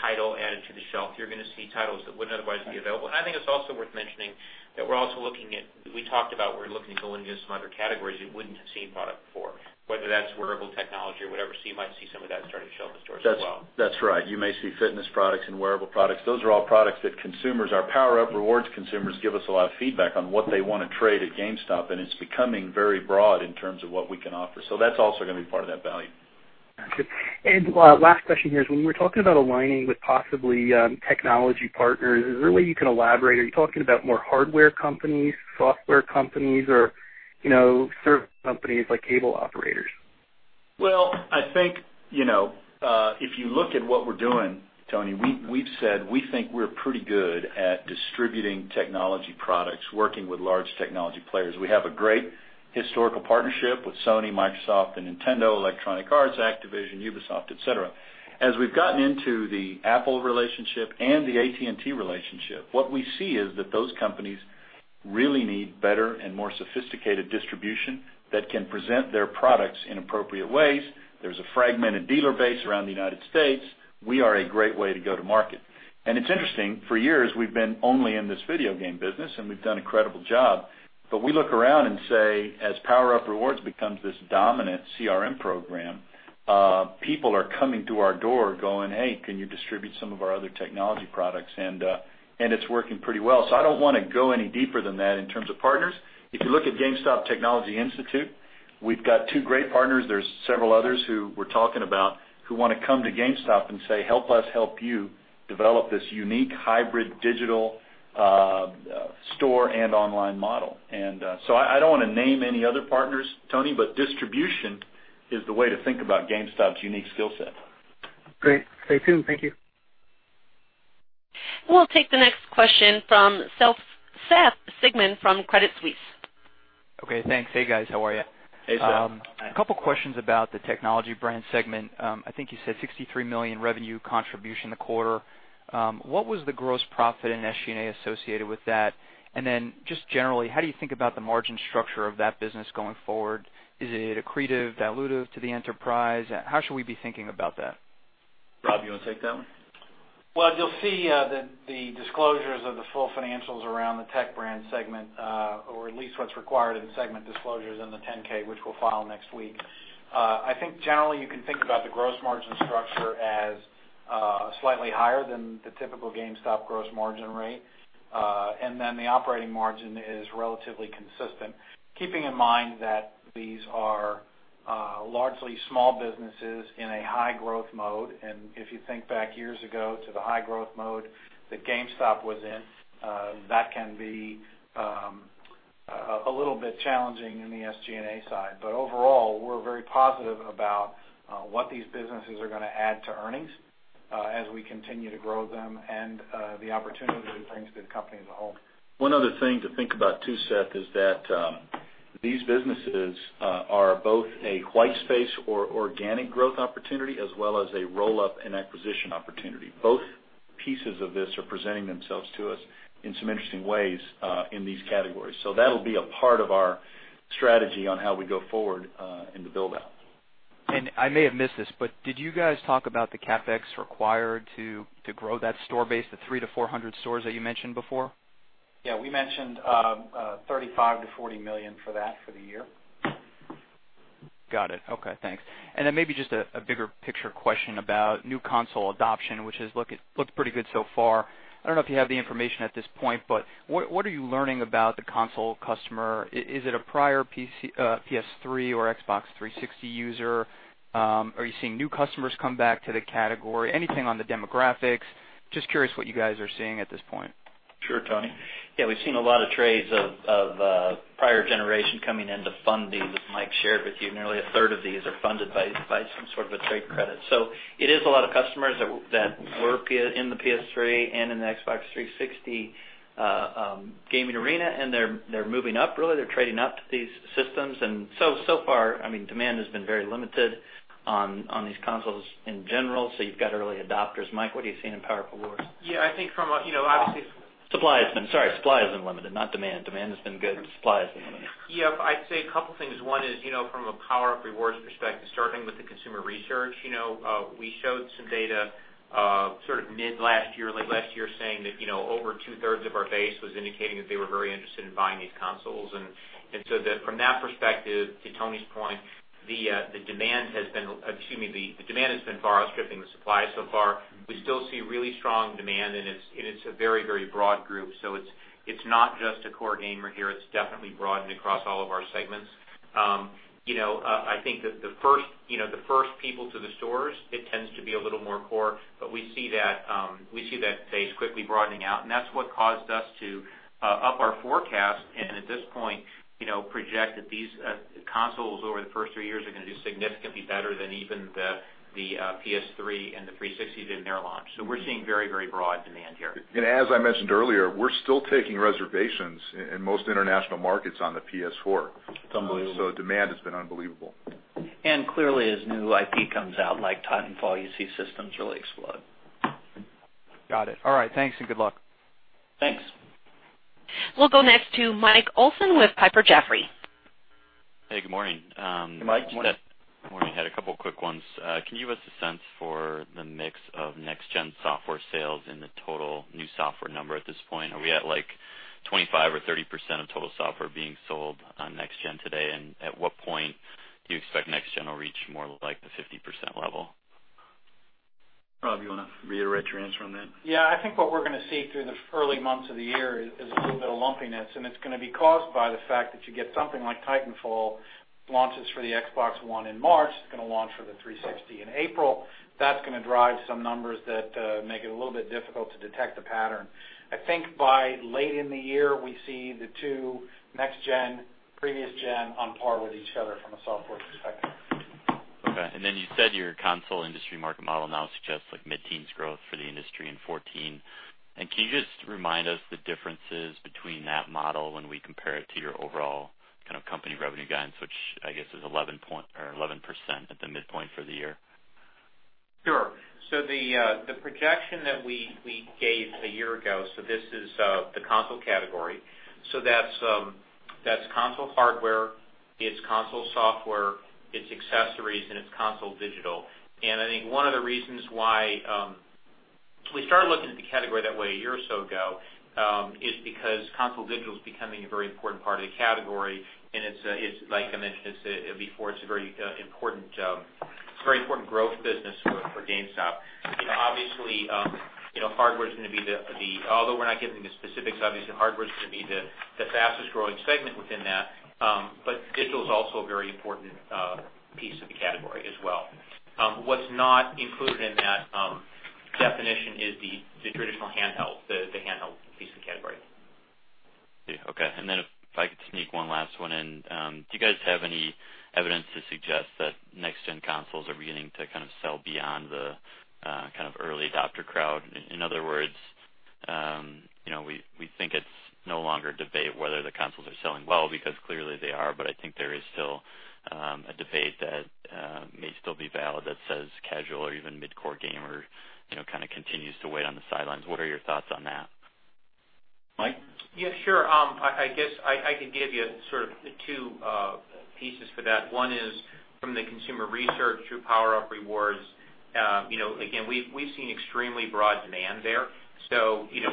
title added to the shelf. You're going to see titles that wouldn't otherwise be available. I think it's also worth mentioning that we talked about we're looking to go into some other categories you wouldn't have seen product before, whether that's wearable tech. technology or whatever. You might see some of that starting to show in the stores as well. That's right. You may see fitness products and wearable products. Those are all products that our PowerUp Rewards consumers give us a lot of feedback on what they want to trade at GameStop, and it's becoming very broad in terms of what we can offer. That's also going to be part of that value. Got you. Last question here is, when we were talking about aligning with possibly technology partners, is there a way you can elaborate? Are you talking about more hardware companies, software companies, or service companies like cable operators? Well, I think, if you look at what we're doing, Tony, we've said we think we're pretty good at distributing technology products, working with large technology players. We have a great historical partnership with Sony, Microsoft, and Nintendo, Electronic Arts, Activision, Ubisoft, et cetera. As we've gotten into the Apple relationship and the AT&T relationship, what we see is that those companies really need better and more sophisticated distribution that can present their products in appropriate ways. There's a fragmented dealer base around the U.S. We are a great way to go to market. It's interesting, for years, we've been only in this video game business, and we've done an incredible job. We look around and say as PowerUp Rewards becomes this dominant CRM program, people are coming to our door going, "Hey, can you distribute some of our other technology products?" It's working pretty well. I don't want to go any deeper than that in terms of partners. If you look at GameStop Technology Institute, we've got two great partners. There's several others who we're talking about who want to come to GameStop and say, "Help us help you develop this unique hybrid digital store and online model." I don't want to name any other partners, Tony, but distribution is the way to think about GameStop's unique skill set. Great. Stay tuned. Thank you. We'll take the next question from Seth Sigman from Credit Suisse. Okay. Thanks. Hey, guys. How are you? Hey, Seth. A couple questions about the Technology Brands segment. I think you said $63 million revenue contribution in the quarter. What was the gross profit and SG&A associated with that? Just generally, how do you think about the margin structure of that business going forward? Is it accretive, dilutive to the enterprise? How should we be thinking about that? Rob, you want to take that one? Well, you'll see the disclosures of the full financials around the Technology Brands segment or at least what's required in segment disclosures in the 10-K, which we'll file next week. I think generally you can think about the gross margin structure as slightly higher than the typical GameStop gross margin rate. The operating margin is relatively consistent, keeping in mind that these are largely small businesses in a high-growth mode. If you think back years ago to the high-growth mode that GameStop was in, that can be a little bit challenging in the SG&A side. Overall, we're very positive about what these businesses are going to add to earnings as we continue to grow them and the opportunity it brings to the company as a whole. One other thing to think about too, Seth, is that these businesses are both a white space or organic growth opportunity as well as a roll-up and acquisition opportunity. Both pieces of this are presenting themselves to us in some interesting ways in these categories. That'll be a part of our strategy on how we go forward in the build-out. I may have missed this, but did you guys talk about the CapEx required to grow that store base to 300 to 400 stores that you mentioned before? Yeah, we mentioned $35 to $40 million for that for the year. Got it. Okay, thanks. Then maybe just a bigger picture question about new console adoption, which has looked pretty good so far. I don't know if you have the information at this point, but what are you learning about the console customer? Is it a prior PS3 or Xbox 360 user? Are you seeing new customers come back to the category? Anything on the demographics? Just curious what you guys are seeing at this point. Sure, Tony. Yeah, we've seen a lot of trades of prior generation coming in to fund these, as Mike shared with you. Nearly a third of these are funded by some sort of a trade credit. It is a lot of customers that were in the PS3 and in the Xbox 360 gaming arena, and they're moving up, really. They're trading up to these systems. So far, demand has been very limited on these consoles in general. You've got early adopters. Mike, what are you seeing in PowerUp Rewards? Yeah. Sorry, supply has been limited, not demand. Demand has been good. Supply has been limited. Yeah. I'd say a couple things. One is, from a PowerUp Rewards perspective, starting with the consumer research, we showed some data mid last year, late last year, saying that over two-thirds of our base was indicating that they were very interested in buying these consoles. From that perspective, to Tony's point, the demand has been far outstripping the supply so far. We still see really strong demand, and it's a very broad group. It's not just a core gamer here. It's definitely broadened across all of our segments. I think that the first people to the stores, it tends to be a little more core, but we see that phase quickly broadening out, and that's what caused us to up our forecast and at this point, project that these consoles over the first three years are going to do significantly better than even the PS3 and the 360 did in their launch. We're seeing very broad demand here. As I mentioned earlier, we're still taking reservations in most international markets on the PS4. It's unbelievable. Demand has been unbelievable. Clearly, as new IP comes out like "Titanfall," you see systems really explode. Got it. All right. Thanks, and good luck. Thanks. We'll go next to Mike Olson with Piper Jaffray. Hey, good morning. Hey, Mike. Good morning. Morning. Had a couple quick ones. Can you give us a sense for the mix of next-gen software sales in the total new software number at this point? Are we at like 25% or 30% of total software being sold on next-gen today, and at what point do you expect next-gen will reach more like the 50% level? Rob, you want to reiterate your answer on that? Yeah, I think what we're going to see through the early months of the year is a little bit of lumpiness, and it's going to be caused by the fact that you get something like "Titanfall" launches for the Xbox One in March. It's going to launch for the Xbox 360 in April. That's going to drive some numbers that make it a little bit difficult to detect a pattern. I think by late in the year, we see the two, next-gen, previous-gen, on par with each other from a software perspective. Okay. You said your console industry market model now suggests mid-teens growth for the industry in 2014. Can you just remind us the differences between that model when we compare it to your overall company revenue guidance, which I guess is 11% at the midpoint for the year? The projection that we gave a year ago, this is the console category. That's console hardware, it's console software, it's accessories, and it's console digital. I think one of the reasons why we started looking at the category that way a year or so ago, is because console digital is becoming a very important part of the category, and like I mentioned before, it's a very important growth business for GameStop. Obviously, although we're not getting into specifics, obviously, hardware is going to be the fastest-growing segment within that. Digital is also a very important piece of the category as well. What's not included in that definition is the traditional handheld, the handheld piece of the category. Okay. Then if I could sneak one last one in, do you guys have any evidence to suggest that next-gen consoles are beginning to sell beyond the early adopter crowd? In other words, we think it's no longer a debate whether the consoles are selling well because clearly they are. I think there is still a debate that may still be valid that says casual or even mid-core gamer continues to wait on the sidelines. What are your thoughts on that? Mike? Yeah, sure. I guess I could give you sort of two pieces for that. One is from the consumer research through PowerUp Rewards. Again, we've seen extremely broad demand there.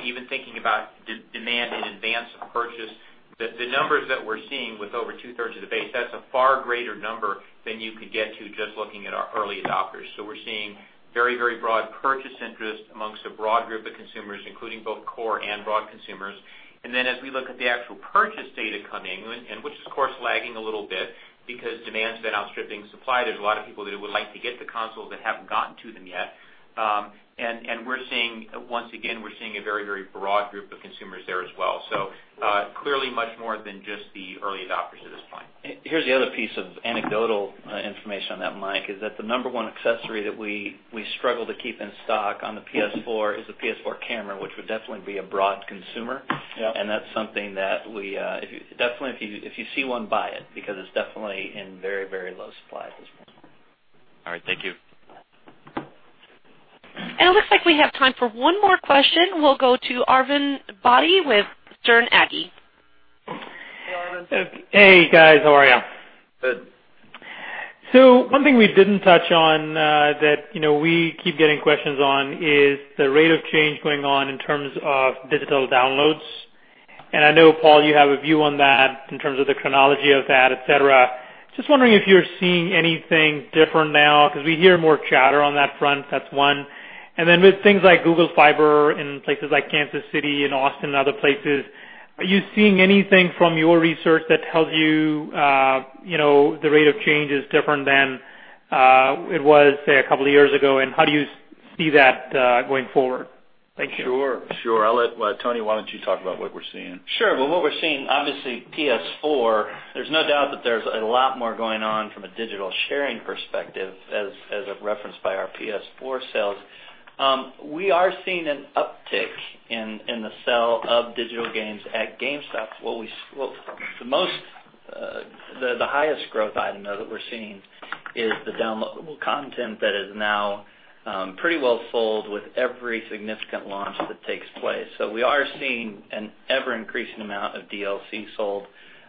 Even thinking about demand in advance of purchase, the numbers that we're seeing with over two-thirds of the base, that's a far greater number than you could get to just looking at our early adopters. We're seeing very broad purchase interest amongst a broad group of consumers, including both core and broad consumers. Then as we look at the actual purchase data coming in, which is of course lagging a little bit because demand's been outstripping supply. There's a lot of people that would like to get the consoles that haven't gotten to them yet. Once again, we're seeing a very broad group of consumers there as well. Clearly much more than just the early adopters at this point. Here's the other piece of anecdotal information on that, Mike, is that the number one accessory that we struggle to keep in stock on the PS4 is the PlayStation Camera, which would definitely be a broad consumer. Yep. That's something that, definitely, if you see one, buy it, because it's definitely in very low supply at this point. All right, thank you. It looks like we have time for one more question. We'll go to Arvind Bhatia with Sterne Agee. Hey, Arvind. Hey guys, how are you? Good. One thing we didn't touch on that we keep getting questions on is the rate of change going on in terms of digital downloads. I know, Paul, you have a view on that in terms of the chronology of that, et cetera. Just wondering if you're seeing anything different now, because we hear more chatter on that front, that's one. Then with things like Google Fiber in places like Kansas City and Austin and other places, are you seeing anything from your research that tells you the rate of change is different than it was, say, a couple of years ago, and how do you see that going forward? Thank you. Sure. Tony, why don't you talk about what we're seeing? Sure. Well, what we're seeing, obviously, PS4, there's no doubt that there's a lot more going on from a digital sharing perspective as referenced by our PS4 sales. We are seeing an uptick in the sale of digital games at GameStop. The highest growth item, though, that we're seeing is the downloadable content that is now pretty well sold with every significant launch that takes place. We are seeing an ever-increasing amount of DLC sold.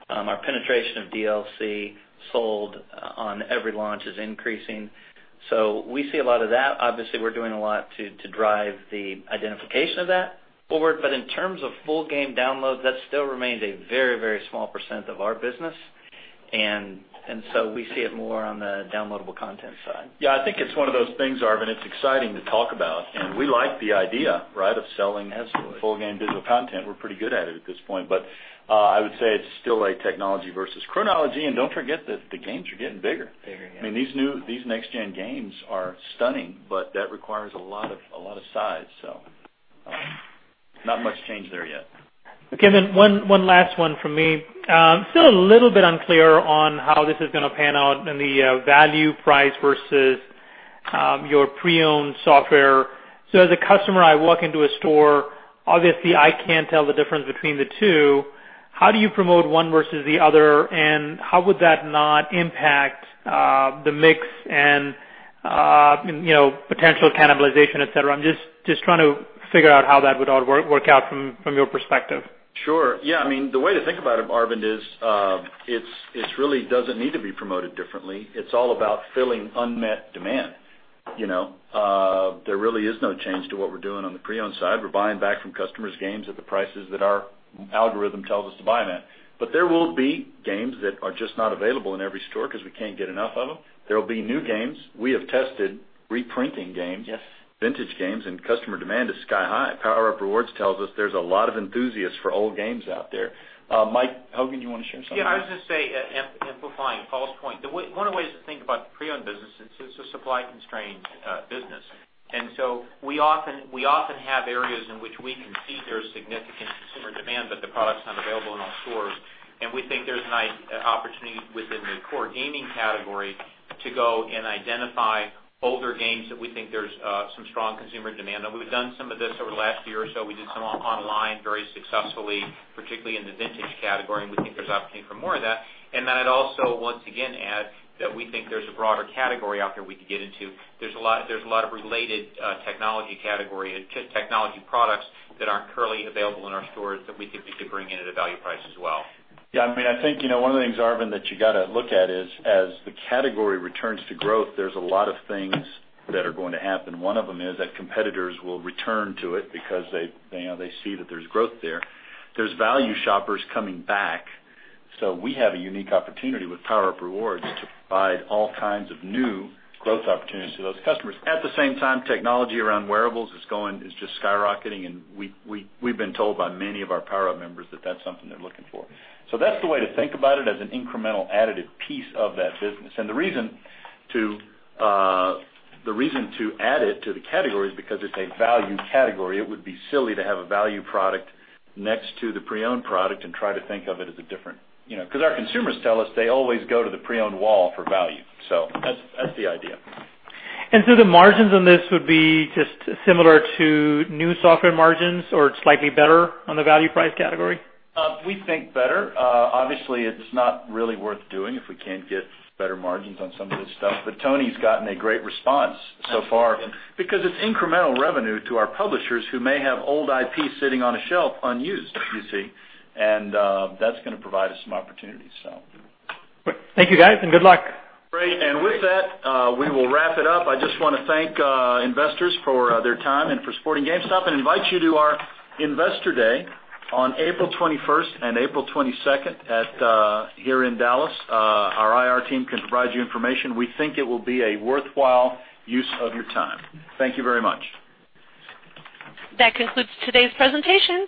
Our penetration of DLC sold on every launch is increasing. We see a lot of that. Obviously, we're doing a lot to drive the identification of that forward. In terms of full game downloads, that still remains a very small % of our business. We see it more on the downloadable content side. Yeah, I think it's one of those things, Arvind, it's exciting to talk about, and we like the idea, right, of selling full game digital content. We're pretty good at it at this point. I would say it's still a technology versus chronology, don't forget that the games are getting bigger. Bigger, yeah. I mean, these next-gen games are stunning, that requires a lot of size, not much change there yet. Okay, one last one from me. Still a little bit unclear on how this is going to pan out in the value price versus your pre-owned software. As a customer, I walk into a store. Obviously, I can't tell the difference between the two. How do you promote one versus the other, and how would that not impact the mix and potential cannibalization, et cetera? I'm just trying to figure out how that would all work out from your perspective. Sure. Yeah. I mean, the way to think about it, Arvind, is it really doesn't need to be promoted differently. It's all about filling unmet demand. There really is no change to what we're doing on the pre-owned side. We're buying back from customers games at the prices that our algorithm tells us to buy them at. There will be games that are just not available in every store because we can't get enough of them. There will be new games. We have tested reprinting games. Yes vintage games. Customer demand is sky high. PowerUp Rewards tells us there's a lot of enthusiasts for old games out there. Michael Hogan, do you want to share something? Yeah, I was going to say, amplifying Paul's point, one of the ways to think about the pre-owned business is it's a supply-constrained business. We often have areas in which we can see there's significant consumer demand, but the product's not available in all stores. We think there's an opportunity within the core gaming category to go and identify older games that we think there's some strong consumer demand. Now, we've done some of this over the last year or so. We did some online very successfully, particularly in the vintage category, we think there's opportunity for more of that. I'd also once again add that we think there's a broader category out there we could get into. There's a lot of related technology category, technology products that aren't currently available in our stores that we think we could bring in at a value price as well. Yeah, I think one of the things, Arvind, that you got to look at is as the category returns to growth, there's a lot of things that are going to happen. One of them is that competitors will return to it because they see that there's growth there. There's value shoppers coming back. We have a unique opportunity with PowerUp Rewards to provide all kinds of new growth opportunities to those customers. At the same time, technology around wearables is just skyrocketing, we've been told by many of our PowerUp members that that's something they're looking for. That's the way to think about it as an incremental additive piece of that business. The reason to add it to the category is because it's a value category. It would be silly to have a value product next to the pre-owned product and try to think of it as different. Our consumers tell us they always go to the pre-owned wall for value. That's the idea. The margins on this would be just similar to new software margins or slightly better on the value price category? We think better. Obviously, it's not really worth doing if we can't get better margins on some of this stuff. Tony's gotten a great response so far because it's incremental revenue to our publishers who may have old IP sitting on a shelf unused, you see. That's going to provide us some opportunities. Thank you, guys, and good luck. Great. With that, we will wrap it up. I just want to thank investors for their time and for supporting GameStop and invite you to our Investor Day on April 21st and April 22nd here in Dallas. Our IR team can provide you information. We think it will be a worthwhile use of your time. Thank you very much. That concludes today's presentation.